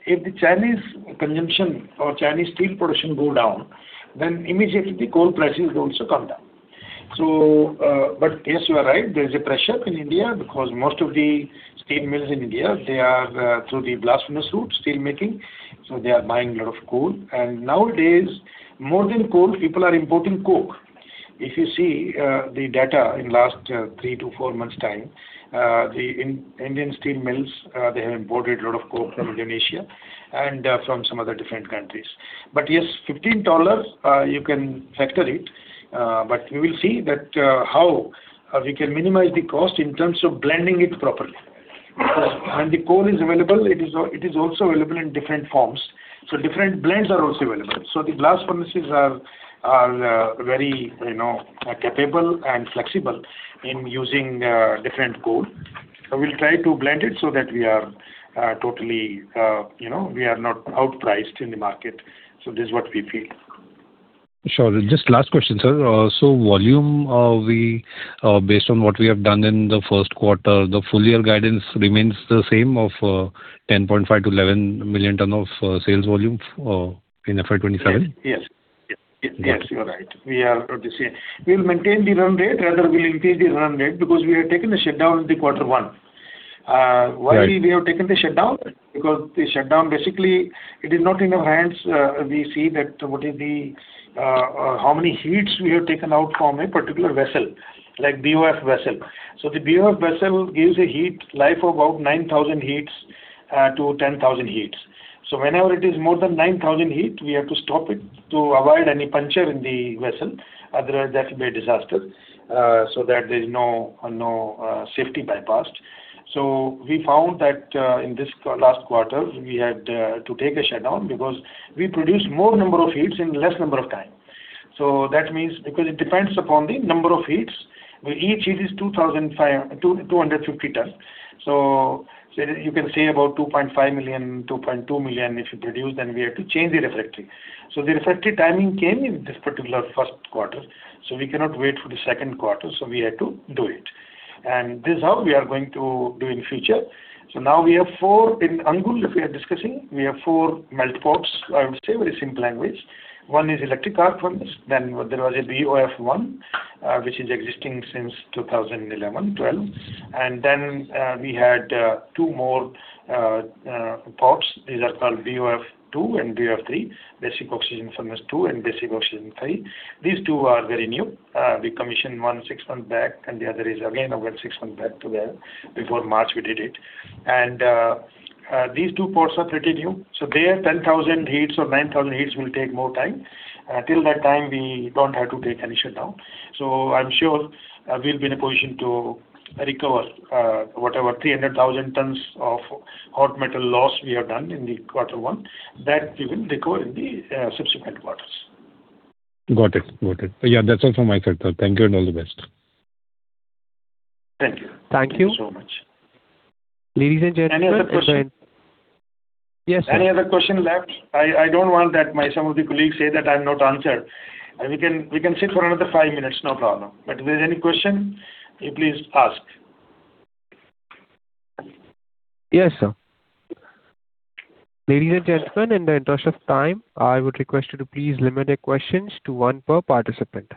If the Chinese consumption or Chinese steel production go down, then immediately coal prices also come down. Yes, you are right, there is a pressure in India because most of the steel mills in India, they are through the blast furnace route steel making, so they are buying a lot of coal. Nowadays, more than coal, people are importing coke. If you see the data in last three to four months' time, the Indian steel mills, they have imported a lot of coke from Indonesia and from some other different countries. Yes, $15, you can factor it, but we will see that how we can minimize the cost in terms of blending it properly. The coal is available, it is also available in different forms. Different blends are also available. The blast furnaces are very capable and flexible in using different coal. We'll try to blend it so that we are not out priced in the market. This is what we feel. Sure. Just last question, sir. Volume, based on what we have done in the first quarter, the full year guidance remains the same of 10.5 million tonnes-11 million tonnes of sales volume in FY 2027? Yes. You're right. We are at the same. We'll maintain the run rate, rather we'll increase the run rate because we have taken the shutdown in the quarter one. Right. Why we have taken the shutdown? The shutdown, basically it is not in our hands. We see that how many heats we have taken out from a particular vessel, like BOF vessel. The BOF vessel gives a heat life of about 9,000 heats to 10,000 heats. Whenever it is more than 9,000 heats, we have to stop it to avoid any puncture in the vessel. Otherwise, that will be a disaster, so there's no safety bypassed. We found that in this last quarter, we had to take a shutdown because we produced more number of heats in less number of time. That means, because it depends upon the number of heats, where each heat is 250 tonnes. You can say about 2.5 million tonnes, 2.2 million tonnes if you produce, then we have to change the refractory. The refractory timing came in this particular first quarter. We cannot wait for the second quarter. We had to do it. This is how we are going to do in future. Now we have four, in Angul, if we are discussing, we have four melt ports, I would say, very simple language. One is electric arc furnace, then there was a BOF-1, which is existing since 2011-2012. Then we had two more ports. These are called BOF-2 and BOF-3, basic oxygen furnace two and basic oxygen three. These two are very new. We commissioned one six months back, and the other is again about six months back before March we did it. These two ports are pretty new, so their 10,000 heats or 9,000 heats will take more time. Till that time, we don't have to take any shutdown. I'm sure we'll be in a position to recover whatever 300,000 tonnes of hot metal loss we have done in the quarter one, that we will recover in the subsequent quarters. Got it. Yeah, that's all from my side, sir. Thank you and all the best. Thank you. Thank you so much. Ladies and gentlemen. Any other question? Yes, sir. Any other question left? I don't want that some of the colleagues say that I have not answered. We can sit for another five minutes, no problem. If there's any question, you please ask. Yes, sir. Ladies and gentlemen, in the interest of time, I would request you to please limit your questions to one per participant.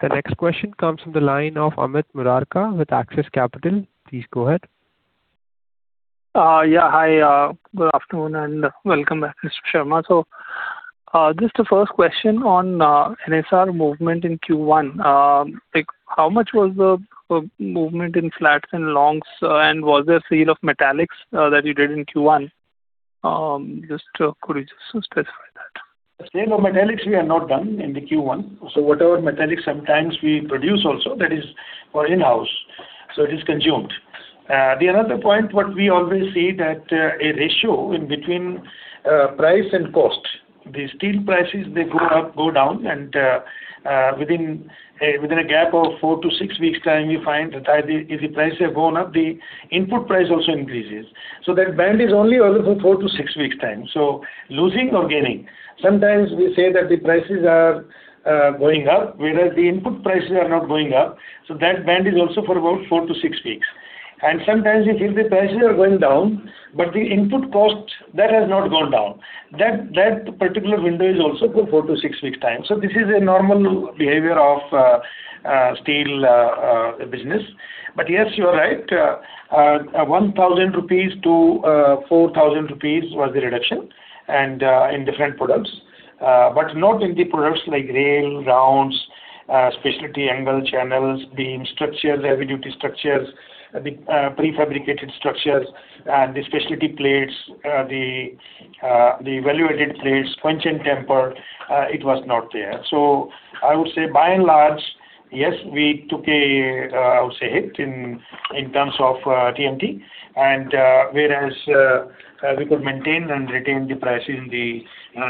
The next question comes from the line of Amit Murarka with Axis Capital. Please go ahead. Yeah, hi. Good afternoon and welcome back, Mr. Sharma. Just the first question on NSR movement in Q1. How much was the movement in flats and longs, and was there sale of metallics that you did in Q1? Could you just specify that? Sale of metallics, we have not done in the Q1. Whatever metallics sometimes we produce also, that is for in-house. It is consumed. The another point what we always see that a ratio in between price and cost. The steel prices, they go up, go down, and within a gap of four to six weeks time, you find that if the prices have gone up, the input price also increases. That band is only available four to six weeks time. Losing or gaining. Sometimes we say that the prices are going up, whereas the input prices are not going up. That band is also for about four to six weeks. Sometimes you feel the prices are going down, but the input cost, that has not gone down. That particular window is also for four to six weeks time. This is a normal behavior of steel business. Yes, you are right. 1,000-4,000 rupees was the reduction in different products. Not in the products like rail, rounds, specialty angle channels, beam structures, heavy duty structures, the prefabricated structures, and the specialty plates, the value-added plates, quench and temper, it was not there. I would say by and large, yes, we took a hit in terms of TMT, and whereas we could maintain and retain the price in the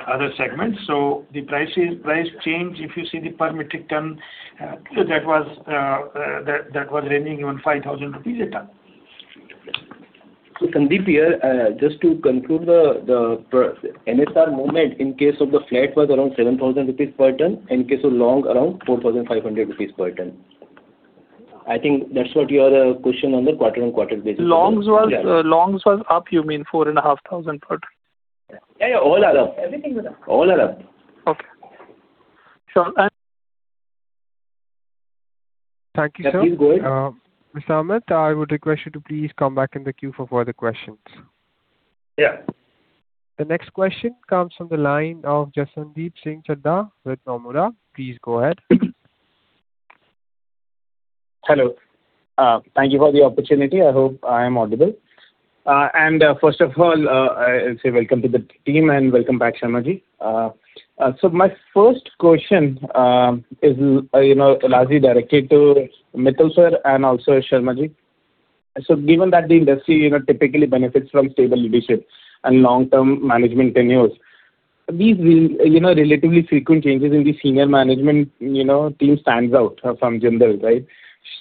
other segments. The price change, if you see the per metric tonne, that was ranging around 5,000 rupees a tonne. Sandeep here, just to conclude the NSR movement in case of the flat was around 7,000 rupees per tonne, in case of long, around 4,500 rupees per tonne. I think that's what your question on the quarter-on-quarter basis is. Longs was up, you mean 4,500 per tonne? Yeah. All are up. Everything was up. All are up. Okay. Thank you, sir. Please go ahead. Mr. Amit, I would request you to please come back in the queue for further questions. Yeah. The next question comes from the line of Jashandeep Singh Chadha with Nomura. Please go ahead. Hello. Thank you for the opportunity. I hope I am audible. First of all, I say welcome to the team and welcome back, Sharma-ji. My first question largely directly to Mittal sir and also Sharma-ji. Given that the industry typically benefits from stable leadership and long-term management tenures, these relatively frequent changes in the senior management team stands out from Jindal,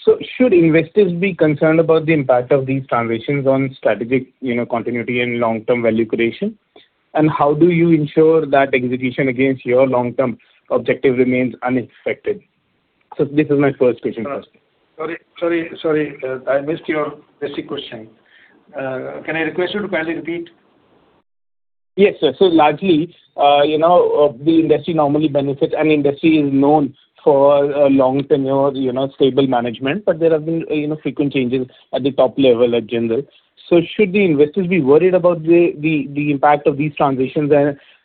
right? Should investors be concerned about the impact of these transitions on strategic continuity and long-term value creation? How do you ensure that execution against your long-term objective remains unaffected? This is my first question for you. Sorry, I missed your basic question. Can I request you to kindly repeat? Yes, sir. Largely, the industry normally benefits and industry is known for long tenure, stable management, there have been frequent changes at the top level at Jindal. Should the investors be worried about the impact of these transitions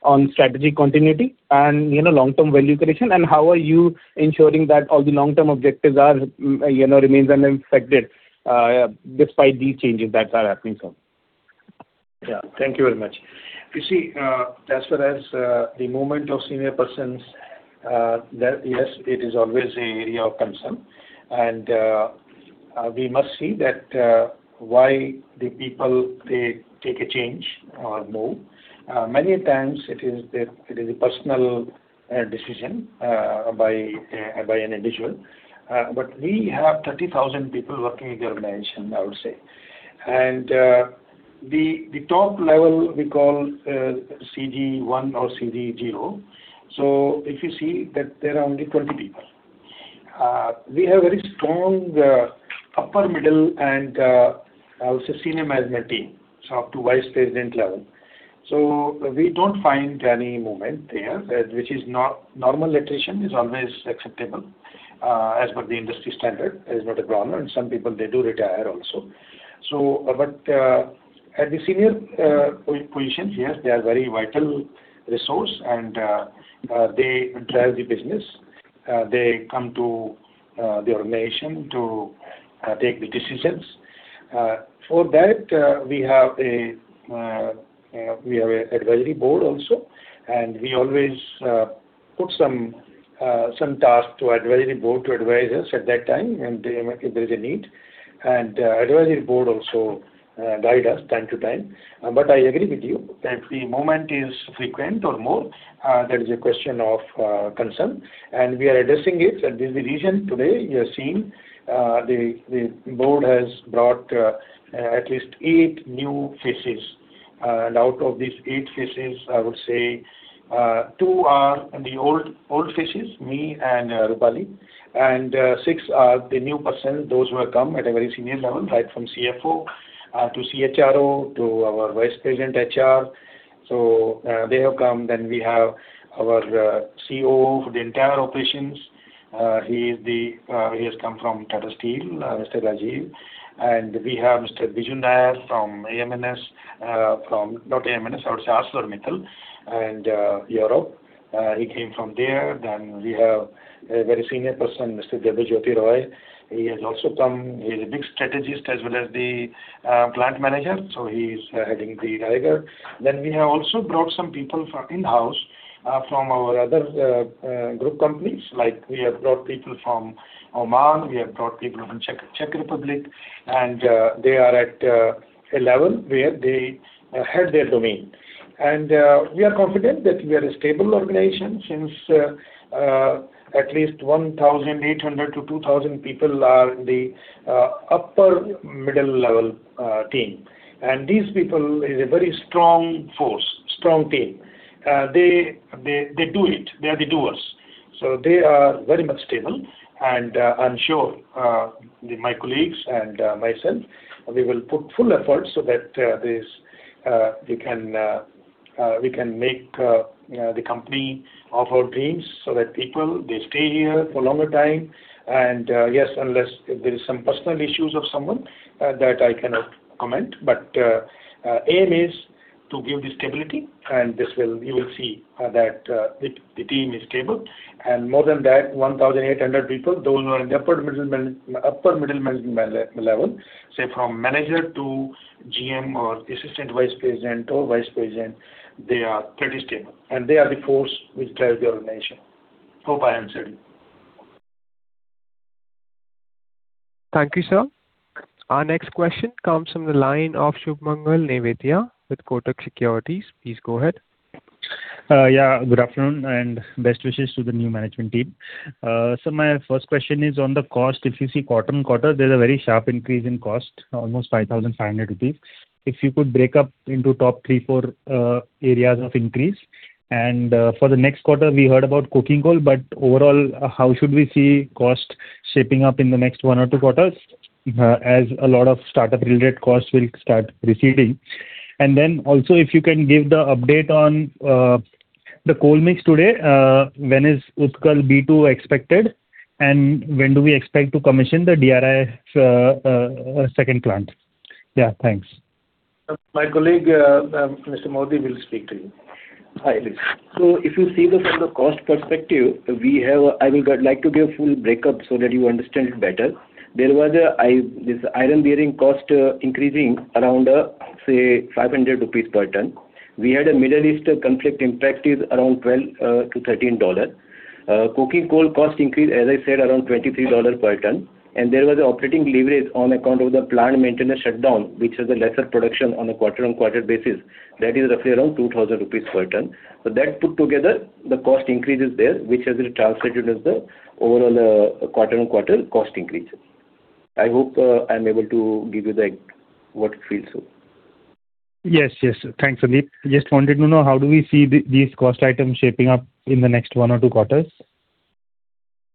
on strategic continuity and long-term value creation? How are you ensuring that all the long-term objectives remains unaffected despite these changes that are happening, sir? Thank you very much. As far as the movement of senior persons, yes, it is always an area of concern. We must see that why the people take a change or move. Many a times it is a personal decision by an individual. We have 30,000 people working in the organization, I would say. The top level we call CG 1 or CG 0. If you see that there are only 20 people. We have very strong upper middle and also senior management team, up to vice president level. We don't find any movement there. Normal attrition is always acceptable as per the industry standard. It is not a problem, some people they do retire also. At the senior positions, yes, they are very vital resource and they drive the business. They come to the organization to take the decisions. For that, we have an advisory board also, we always put some tasks to advisory board to advise us at that time and if there is a need. Advisory board also guide us time to time. I agree with you that the movement is frequent or more, that is a question of concern, we are addressing it. This is the reason today you are seeing the board has brought at least eight new faces. Out of these eight faces, I would say two are the old faces, me and Roopali. Six are the new persons, those who have come at a very senior level, right from CFO to CHRO to our Vice President HR. They have come. We have our COO for the entire operations. He has come from Tata Steel, Mr. Rajiv. We have Mr. Biju Nair from AMNS, not AMNS, I would say ArcelorMittal and Europe. He came from there. We have a very senior person, Mr. Debojyoti Roy. He has also come. He's a big strategist as well as the plant manager, so he's heading the Raigarh. We have also brought some people in-house from our other group companies. Like we have brought people from Oman, we have brought people from Czech Republic, they are at a level where they head their domain. We are confident that we are a stable organization since at least 1,800-2,000 people are in the upper middle level team. These people is a very strong force, strong team. They do it. They are the doers. They are very much stable. I'm sure my colleagues and myself, we will put full effort so that we can make the company of our dreams so that people, they stay here for longer time. Yes, unless there is some personal issues of someone that I cannot comment. Aim is to give the stability, and you will see that the team is stable. More than that, 1,800 people, those who are in the upper middle management level, say from manager to GM or assistant vice president or vice president, they are pretty stable. They are the force which drives the organization. Hope I answered you. Thank you, sir. Our next question comes from the line of Sumangal Nevatia with Kotak Securities. Please go ahead. Good afternoon. Best wishes to the new management team. Sir, my first question is on the cost. If you see quarter-on-quarter, there's a very sharp increase in cost, almost 5,500 rupees. If you could break up into top three, four areas of increase. For the next quarter, we heard about coking coal, but overall, how should we see cost shaping up in the next one or two quarters as a lot of startup related costs will start receding? Then also if you can give the update on the coal mix today. When is Utkal B2 expected, and when do we expect to commission the DRI 2 plant? Thanks. My colleague, Mr. Modi, will speak to you. Hi. If you see this from the cost perspective, I would like to give full breakup so that you understand it better. There was this iron bearing cost increasing around, say, 500 rupees per tonne. We had a Middle East conflict impact around $12-$13. Coking coal cost increase, as I said, around $23 per tonne. There was operating leverage on account of the plant maintenance shutdown, which has a lesser production on a quarter-on-quarter basis. That is roughly around 2,000 rupees per tonne. That put together, the cost increase is there, which has been translated as the overall quarter-on-quarter cost increase. I hope I'm able to give you what it feels so. Yes. Thanks, Sandeep. Just wanted to know how do we see these cost items shaping up in the next one or two quarters?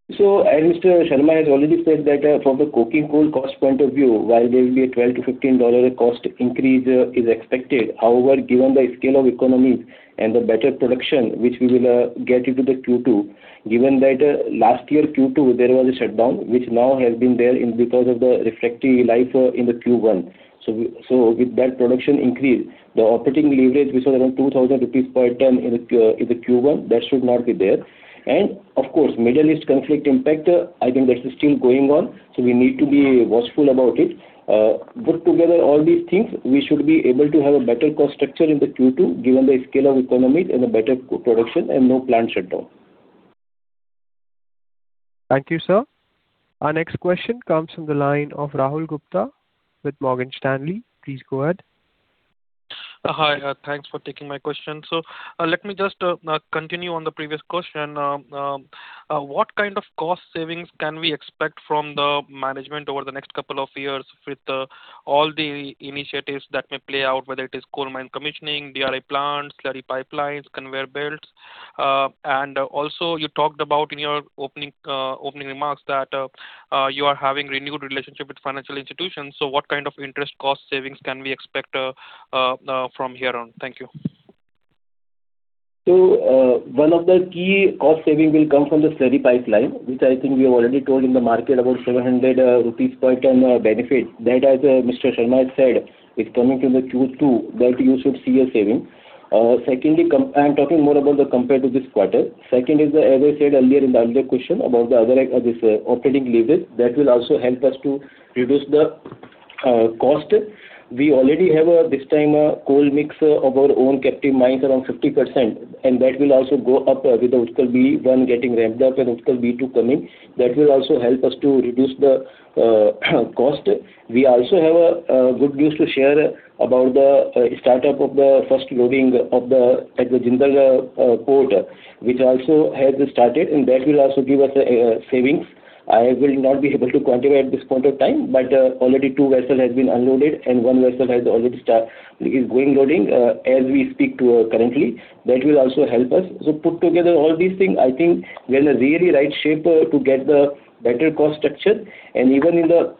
As Mr. Sharma has already said that from the coking coal cost point of view, while there will be a $12-$15 cost increase is expected. However, given the scale of economies and the better production, which we will get into the Q2, given that last year Q2, there was a shutdown, which now has been there because of the refractory life in the Q1. With that production increase, the operating leverage, which was around 2,000 rupees per tonne in the Q1, that should not be there. Of course, Middle East conflict impact, I think that's still going on, so we need to be watchful about it. Put together all these things, we should be able to have a better cost structure in the Q2, given the scale of economies and a better production and no plant shutdown. Thank you, sir. Our next question comes from the line of Rahul Gupta with Morgan Stanley. Please go ahead. Hi. Thanks for taking my question. Let me just continue on the previous question. What kind of cost savings can we expect from the management over the next couple of years with all the initiatives that may play out, whether it is coal mine commissioning, DRI plants, slurry pipelines, conveyor belts? Also you talked about in your opening remarks that you are having renewed relationship with financial institutions. What kind of interest cost savings can we expect from here on? Thank you. One of the key cost saving will come from the slurry pipeline, which I think we have already told in the market about 700 rupees per tonne benefit. That, as Mr. Sharma has said, is coming to the Q2 that you should see a saving. I'm talking more about the compared to this quarter. Second is, as I said earlier in the earlier question about this operating leverage, that will also help us to reduce the cost. We already have, this time, a coal mix of our own captive mines around 50%, and that will also go up with the Utkal B1 getting ramped up and Utkal B2 coming. That will also help us to reduce the cost. We also have good news to share about the startup of the first loading at the Jindal port, which also has started, and that will also give us savings. I will not be able to quantify at this point of time, already two vessel has been unloaded and one vessel has already start, is going loading as we speak to currently. That will also help us. Put together all these things, I think we're in a really right shape to get the better cost structure. Even in the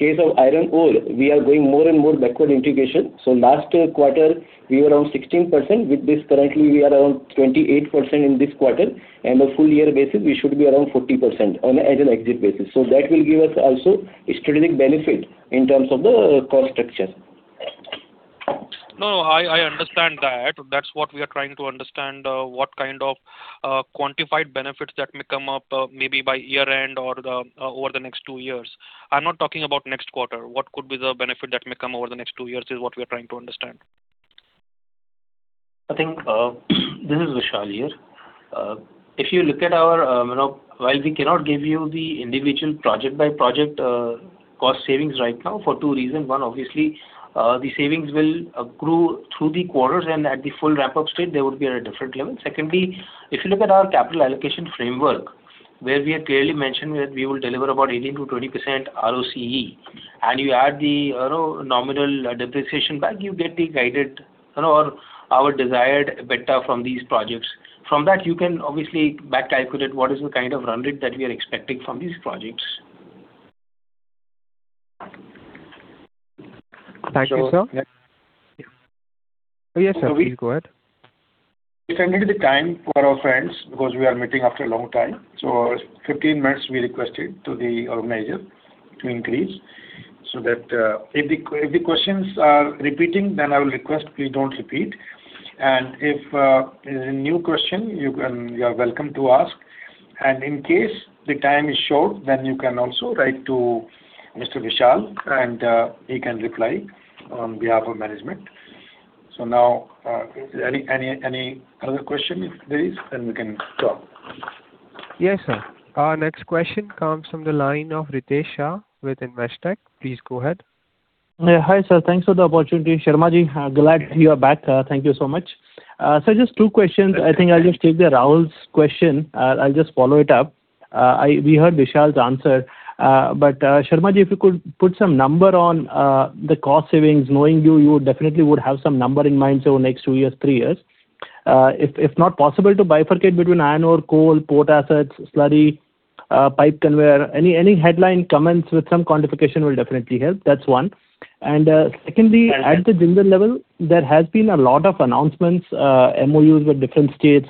case of iron ore, we are going more and more backward integration. Last quarter, we were around 16%. With this currently, we are around 28% in this quarter. A full year basis, we should be around 40% as an exit basis. That will give us also a strategic benefit in terms of the cost structure. No, I understand that. That's what we are trying to understand, what kind of quantified benefits that may come up maybe by year-end or over the next two years. I'm not talking about next quarter. What could be the benefit that may come over the next two years is what we are trying to understand. I think, this is Vishal here. If you look at our, while we cannot give you the individual project-by-project cost savings right now for two reasons. One, obviously, the savings will grow through the quarters, and at the full ramp-up state, they would be at a different level. Secondly, if you look at our capital allocation framework, where we have clearly mentioned that we will deliver about 18%-20% ROCE, and you add the nominal depreciation back, you get the guided or our desired better from these projects. From that, you can obviously back calculate what is the kind of run rate that we are expecting from these projects. Thank you, sir. So- Yes, sir, please go ahead. We extended the time for our friends because we are meeting after a long time. 15 minutes we requested to the organizer to increase. That if the questions are repeating, I will request please don't repeat. If it is a new question, you are welcome to ask. In case the time is short, you can also write to Mr. Vishal, and he can reply on behalf of management. Now, is there any other question? If there is, we can start. Yes, sir. Our next question comes from the line of Ritesh Shah with Investec. Please go ahead. Hi, sir. Thanks for the opportunity. Sharma-ji, glad you are back. Thank you so much. Sir, just two questions. I think I'll just take the Rahul's question. I'll just follow it up. We heard Vishal's answer. Sharma-ji, if you could put some number on the cost savings. Knowing you definitely would have some number in mind, say over next two years, three years. If not possible to bifurcate between iron ore, coal, port assets, slurry pipe conveyor. Any headline comments with some quantification will definitely help. That's one. Secondly, at the Jindal level, there has been a lot of announcements, MOUs with different states,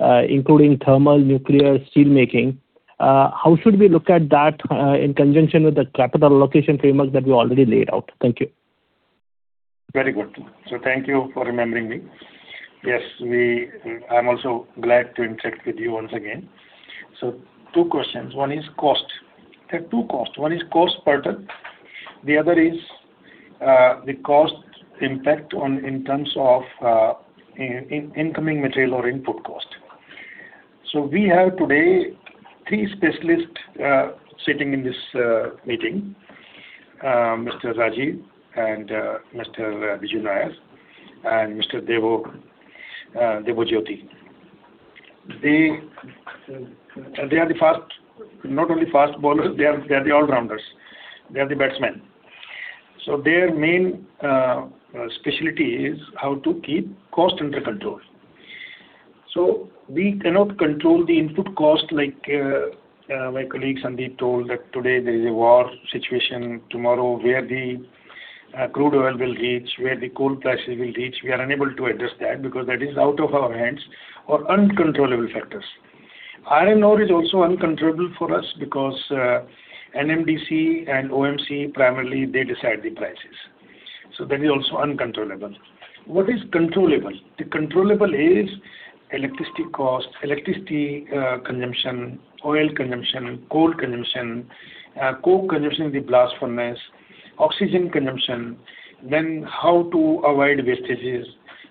including thermal, nuclear, steel making. How should we look at that in conjunction with the capital allocation framework that we already laid out? Thank you. Very good. Thank you for remembering me. Yes, I'm also glad to interact with you once again. Two questions. One is cost. There are two costs. One is cost per tonne, the other is the cost impact in terms of incoming material or input cost. We have today three specialists sitting in this meeting Mr. Rajiv and Mr. Biju Nair and Mr. Debojyoti. They are not only fast bowlers, they are the all-rounders. They are the batsmen. Their main specialty is how to keep cost under control. We cannot control the input cost like my colleague Sandeep told, that today there's a war situation, tomorrow where the crude oil will reach, where the coal prices will reach. We are unable to address that because that is out of our hands or uncontrollable factors. Iron ore is also uncontrollable for us because NMDC and OMC primarily decide the prices. That is also uncontrollable. What is controllable? The controllable is electricity cost, electricity consumption, oil consumption, coal consumption, coal consumption in the blast furnace, oxygen consumption, then how to avoid wastages,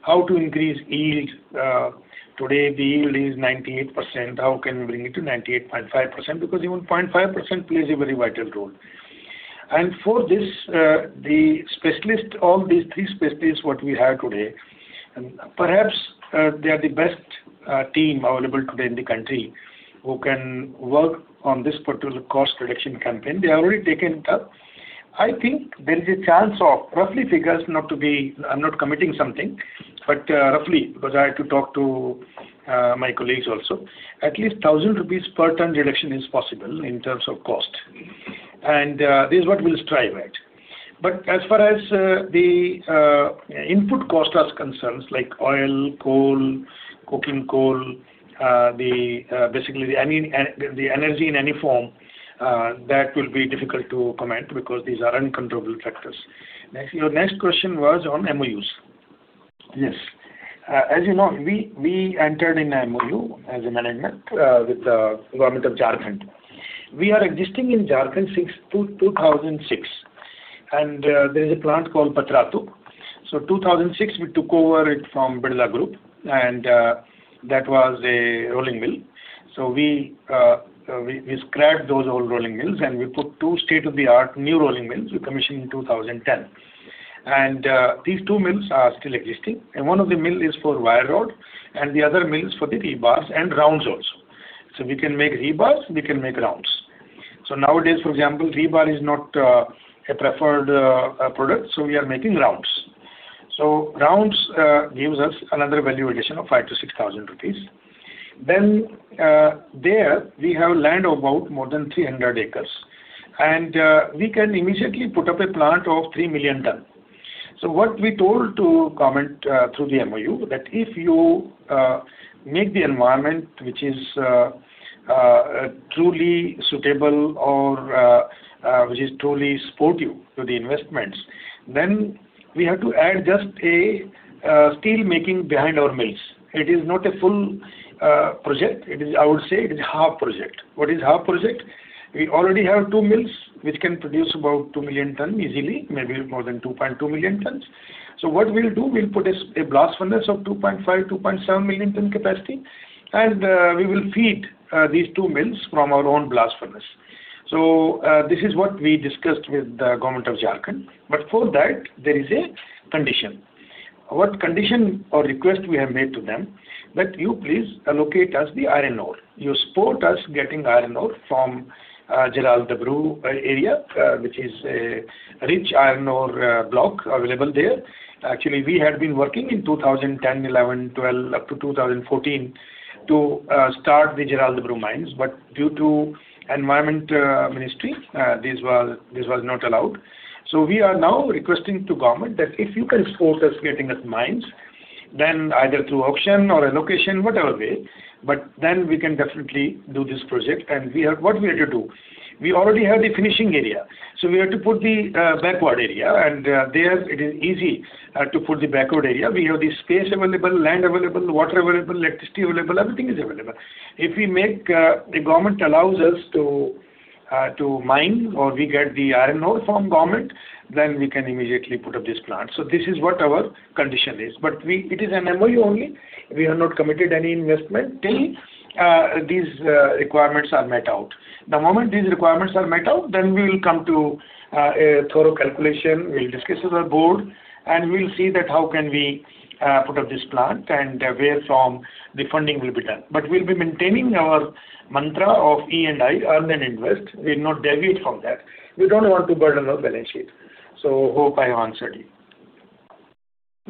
how to increase yield. Today the yield is 98%, how can we bring it to 98.5%? Because even 0.5% plays a very vital role. For this, all these three specialists what we have today, perhaps they are the best team available today in the country who can work on this particular cost reduction campaign. They have already taken it up. I think there is a chance of, roughly figures, I'm not committing something, but roughly, because I had to talk to my colleagues also, at least 1,000 rupees per tonne reduction is possible in terms of cost. This is what we will strive at. As far as the input cost is concerned, like oil, coal, coking coal, basically the energy in any form, that will be difficult to comment because these are uncontrollable factors. Your next question was on MOUs. Yes. As you know, we entered an MOU as a management with the Government of Jharkhand. We are existing in Jharkhand since 2006, and there is a plant called Patratu. 2006, we took over it from Birla Group, and that was a rolling mill. We scrapped those old rolling mills, and we put two state-of-the-art new rolling mills we commissioned in 2010. These two mills are still existing, and one of the mills is for wire rod and the other mill's for the rebars and rounds also. We can make rebars, we can make rounds. Nowadays, for example, rebar is not a preferred product, we are making rounds. Rounds gives us another value addition of 5,000-6,000 rupees. There, we have land about more than 300 acres, we can immediately put up a plant of 3 million tonnes. What we told to Government through the MOU, that if you make the environment, which is truly suitable or which is truly supportive to the investments, we have to add just a steel making behind our mills. It is not a full project. I would say it is half project. What is half project? We already have two mills, which can produce about 2 million tonnes easily, maybe more than 2.2 million tonnes. What we will do, we will put a blast furnace of 2.5 million tonne-2.7 million tonne capacity, and we will feed these two mills from our own blast furnace. This is what we discussed with the Government of Jharkhand. For that, there is a condition. What condition or request we have made to them, that you please allocate us the iron ore. You support us getting iron ore from Jeraldaburu area, which is a rich iron ore block available there. Actually, we had been working in 2010, 2011, 2012, up to 2014 to start the Jeraldaburu mines, due to Environment Ministry, this was not allowed. We are now requesting to government that if you can support us getting us mines, either through auction or allocation, whatever way, we can definitely do this project. What we have to do? We already have the finishing area, we have to put the backward area, there it is easy to put the backward area. We have the space available, land available, water available, electricity available, everything is available. If the government allows us to mine, or we get the iron ore from government, we can immediately put up this plant. This is what our condition is. It is an MOU only. We have not committed any investment till these requirements are met out. The moment these requirements are met out, we will come to a thorough calculation, we will discuss with our board, and we will see that how can we put up this plant and where from the funding will be done. We will be maintaining our mantra of E&I, earn and invest. We will not deviate from that. We don't want to burden our balance sheet. Hope I have answered you.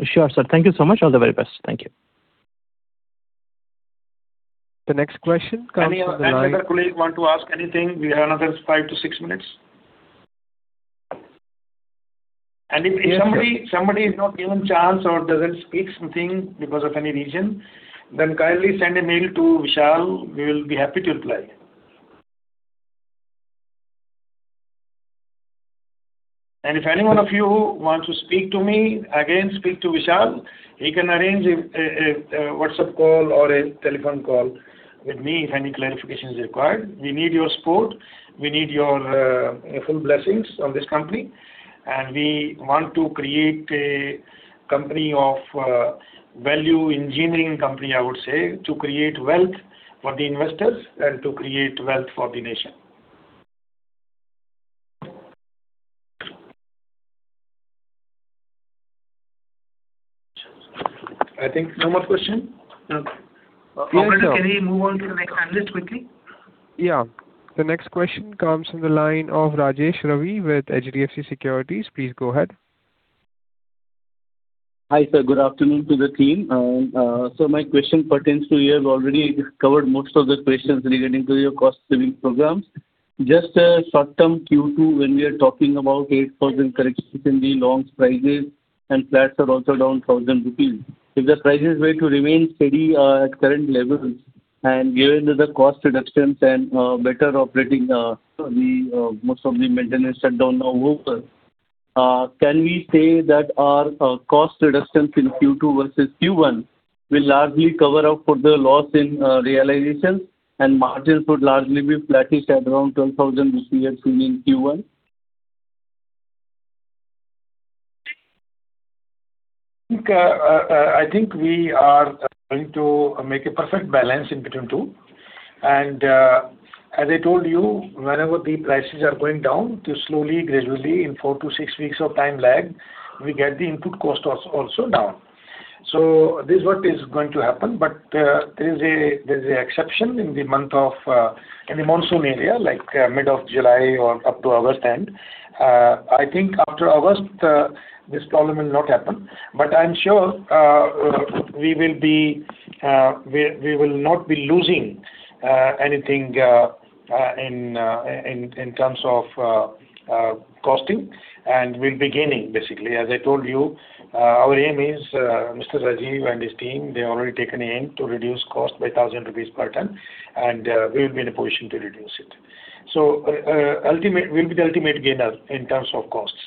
Sure, sir. Thank you so much. All the very best. Thank you. The next question comes from the line- Any other colleague want to ask anything? We have another five to six minutes. If somebody is not given chance or doesn't speak something because of any reason, then kindly send a mail to Vishal. We will be happy to reply. If any one of you want to speak to me, again, speak to Vishal. He can arrange a WhatsApp call or a telephone call with me if any clarification is required. We need your support. We need your full blessings on this company, and we want to create a company of value, engineering company, I would say, to create wealth for the investors and to create wealth for the nation. I think no more question? Okay. Yes, sir. Operator, can we move on to the next analyst quickly? Yeah. The next question comes from the line of Rajesh Ravi with HDFC Securities. Please go ahead. Hi, sir. Good afternoon to the team. My question pertains to, you have already covered most of the questions relating to your cost-saving programs. Just a short-term Q2, when we are talking about 8,000 corrections in the longs prices and flats are also down 1,000 rupees. If the prices were to remain steady at current levels and given that the cost reductions and better operating most of the maintenance shut down now over, can we say that our cost reductions in Q2 versus Q1 will largely cover up for the loss in realizations and margins would largely be flattish at around 12,000 rupees we were seeing in Q1? I think we are going to make a perfect balance in between two. As I told you, whenever the prices are going down, slowly, gradually, in four to six weeks of time lag, we get the input cost also down. This is what is going to happen, but there's an exception in the monsoon area, like mid of July or up to August end. I think after August, this problem will not happen. I'm sure we will not be losing anything in terms of costing, and we'll be gaining, basically. As I told you, our aim is, Mr. Rajiv and his team, they already taken aim to reduce cost by 1,000 rupees per tonne, and we will be in a position to reduce it. We'll be the ultimate gainer in terms of costs.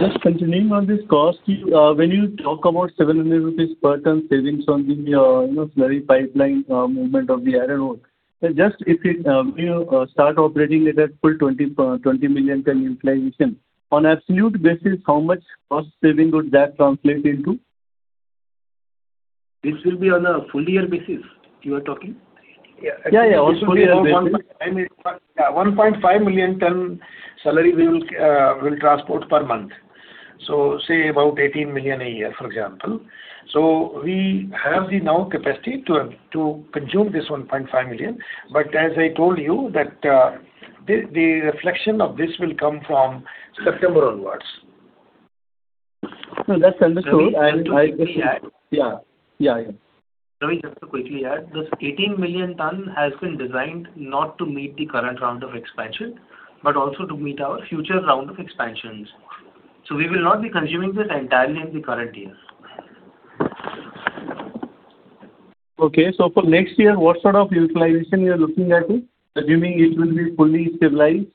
Just continuing on this cost, when you talk about 700 rupees per tonne savings on the slurry pipeline movement of the iron ore. Sir, just if it starts operating at a full 20 million tonne utilization, on absolute basis, how much cost saving would that translate into? This will be on a full year basis you are talking? Yeah. Also full year basis. Yeah, 1.5 million tonne slurry we'll transport per month. Say about 18 million tonnes a year, for example. We have the now capacity to consume this 1.5 million tonne. As I told you, that the reflection of this will come from September onwards. No, that's understood. Yeah. Ravi, just to quickly add, this 18 million tonnes has been designed not to meet the current round of expansion, but also to meet our future round of expansions. We will not be consuming this entirely in the current year. Okay. For next year, what sort of utilization you're looking at it, assuming it will be fully stabilized?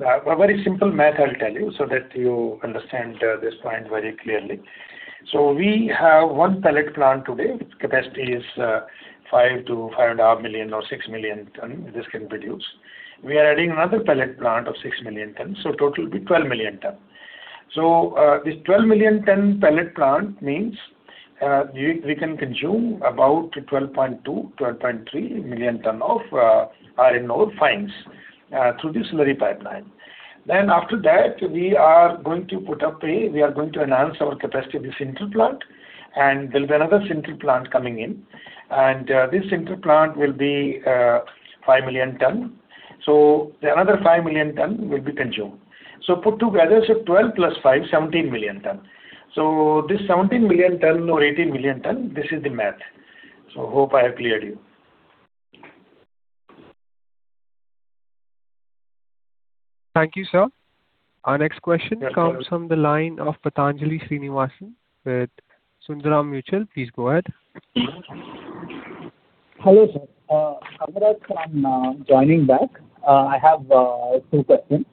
A very simple math I'll tell you so that you understand this point very clearly. We have one pellet plant today. Its capacity is 5 million tonnes-5.5 million tonnes or 6 million tonnes, this can produce. We are adding another pellet plant of 6 million tonnes, total will be 12 million tonnes. This 12 million tonne pellet plant means we can consume about 12.2 million tonnes-12.3 million tonnes of iron ore fines through the slurry pipeline. After that, we are going to enhance our capacity of the sinter plant, and there'll be another sinter plant coming in. This sinter plant will be 5 million tonnes. Another 5 million tonnes will be consumed. Put together, 12 + 5, 17 million tonnes. This 17 million tonnes or 18 million tonnes, this is the math. Hope I have cleared you. Thank you, sir. Our next question comes from the line of Pathanjali Srinivasan with Sundaram Mutual. Please go ahead. Hello, sir. *inaudible* joining back. I have two questions.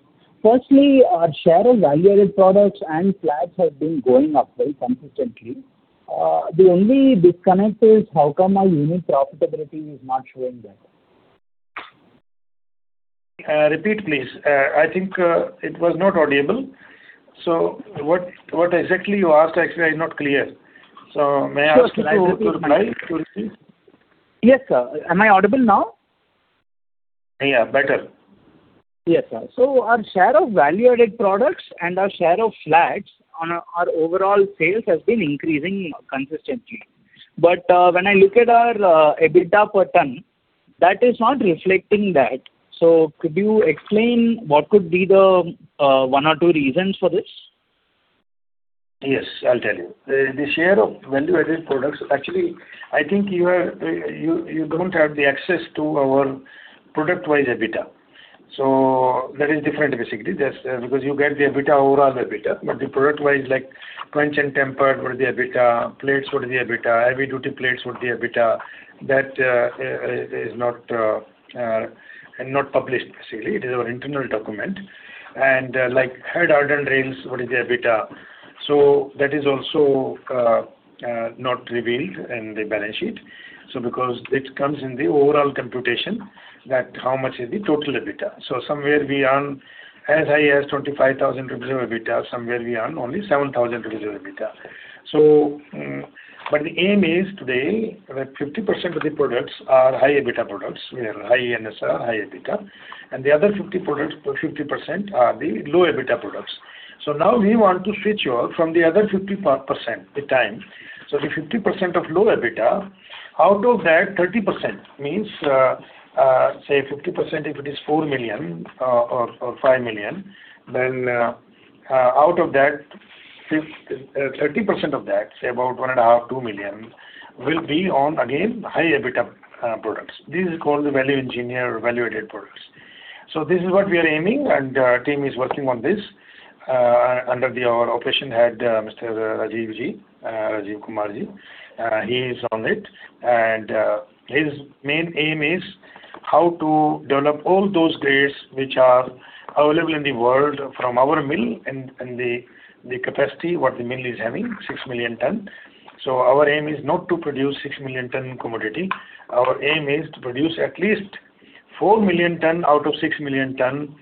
Firstly, our share of value-added products and flats have been going up very consistently. The only disconnect is how come our unit profitability is not showing that? Repeat, please. I think it was not audible. What exactly you asked actually I'm not clear. May I ask you to reply? Yes, sir. Am I audible now? Yeah, better. Yes, sir. Our share of value-added products and our share of flats on our overall sales has been increasing consistently. When I look at our EBITDA per tonne. That is not reflecting that. Could you explain what could be the one or two reasons for this? Yes, I'll tell you. The share of value-added products, actually, I think you don't have the access to our product-wise EBITDA. That is different, basically. You get the EBITDA, overall EBITDA, but the product-wise, like quenched and tempered, what is the EBITDA? Plates, what is the EBITDA? Heavy-duty plates, what is the EBITDA? That is not published, basically. It is our internal document. Hard-hardened rails, what is the EBITDA? That is also not revealed in the balance sheet. Because it comes in the overall computation that how much is the total EBITDA. Somewhere we earn as high as 25,000 rupees EBITDA, somewhere we earn only 7,000 rupees EBITDA. The aim is today that 50% of the products are high EBITDA products, high NSR, high EBITDA, and the other 50% are the low EBITDA products. Now we want to switch over from the other 50% with time. The 50% of low EBITDA, out of that, 30%, means, say 50%, if it is 4 million or 5 million, then out of that, 30% of that, say about 1.5 million-2 million, will be on, again, high EBITDA products. This is called the value engineer or value-added products. This is what we are aiming, and our team is working on this under our operation head, Mr. Rajiv Kumar-ji. He is on it. His main aim is how to develop all those grades which are available in the world from our mill and the capacity what the mill is having, 6 million tonnes. Our aim is not to produce 6 million tonnes commodity. Our aim is to produce at least 4 million tonnes out of 6 million tonnes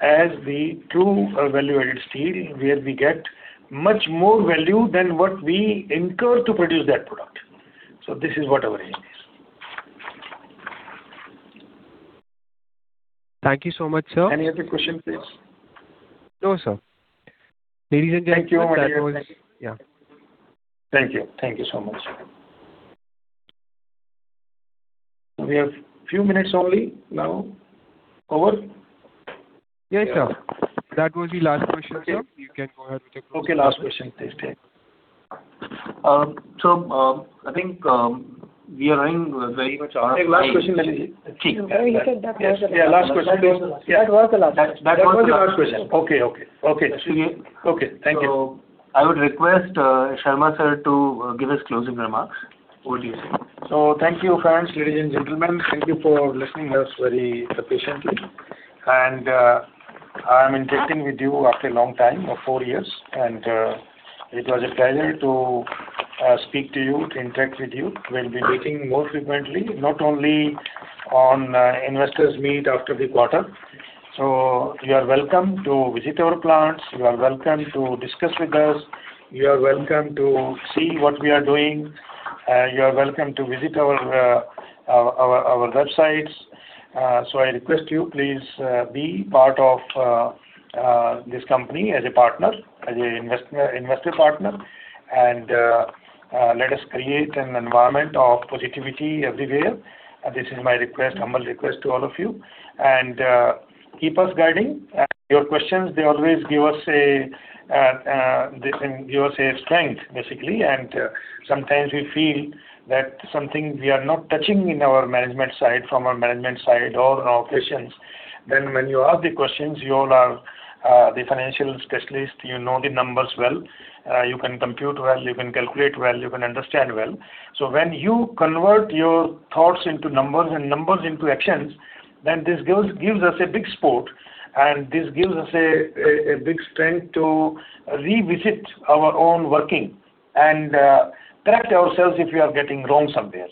as the true value-added steel, where we get much more value than what we incur to produce that product. This is what our aim is. Thank you so much, sir. Any other question, please? No, sir. Ladies and gentlemen, that was. Thank you. Yeah. Thank you. Thank you so much. We have few minutes only now. Over? Yes, sir. That was the last question, sir. You can go ahead with your closing remarks. Okay, last question please take. Sir, I think we are running very much out of time. Last question. He said that was the last. Yeah, last question please. That was the last question. That was the last question. Okay. Thank you. I would request Sharma sir to give his closing remarks. Over to you, sir. Thank you, friends. Ladies and gentlemen, thank you for listening to us very patiently. I'm interacting with you after a long time of four years, and it was a pleasure to speak to you, to interact with you. We'll be meeting more frequently, not only on investors' meet after the quarter. You are welcome to visit our plants. You are welcome to discuss with us. You are welcome to see what we are doing. You are welcome to visit our websites. I request you, please be part of this company as a partner, as an investor partner, and let us create an environment of positivity everywhere. This is my request, humble request to all of you. Keep us guiding. Your questions, they always give us a strength, basically, and sometimes we feel that something we are not touching in our management side, from our management side or our operations. When you ask the questions, you all are the financial specialists, you know the numbers well, you can compute well, you can calculate well, you can understand well. When you convert your thoughts into numbers and numbers into actions, then this gives us a big support and this gives us a big strength to revisit our own working and correct ourselves if we are getting wrong somewhere.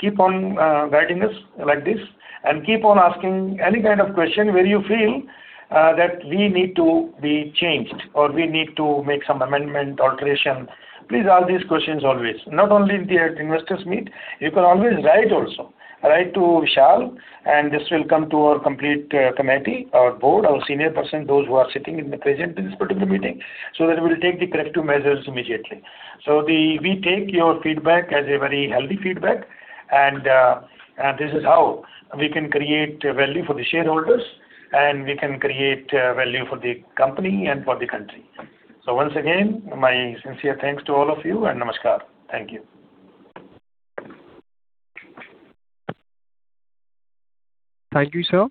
Keep on guiding us like this and keep on asking any kind of question where you feel that we need to be changed, or we need to make some amendment, alteration. Please ask these questions always. Not only at the investors' meet, you can always write also. Write to Vishal, and this will come to our complete committee, our board, our senior person, those who are sitting in the present in this particular meeting, so that we'll take the corrective measures immediately. We take your feedback as a very healthy feedback, and this is how we can create value for the shareholders, and we can create value for the company and for the country. Once again, my sincere thanks to all of you, and namaskar. Thank you. Thank you, sir.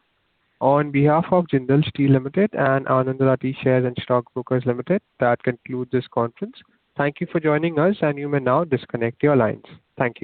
On behalf of Jindal Steel Limited and Anand Rathi Share and Stock Brokers Limited, that concludes this conference. Thank you for joining us, and you may now disconnect your lines. Thank you.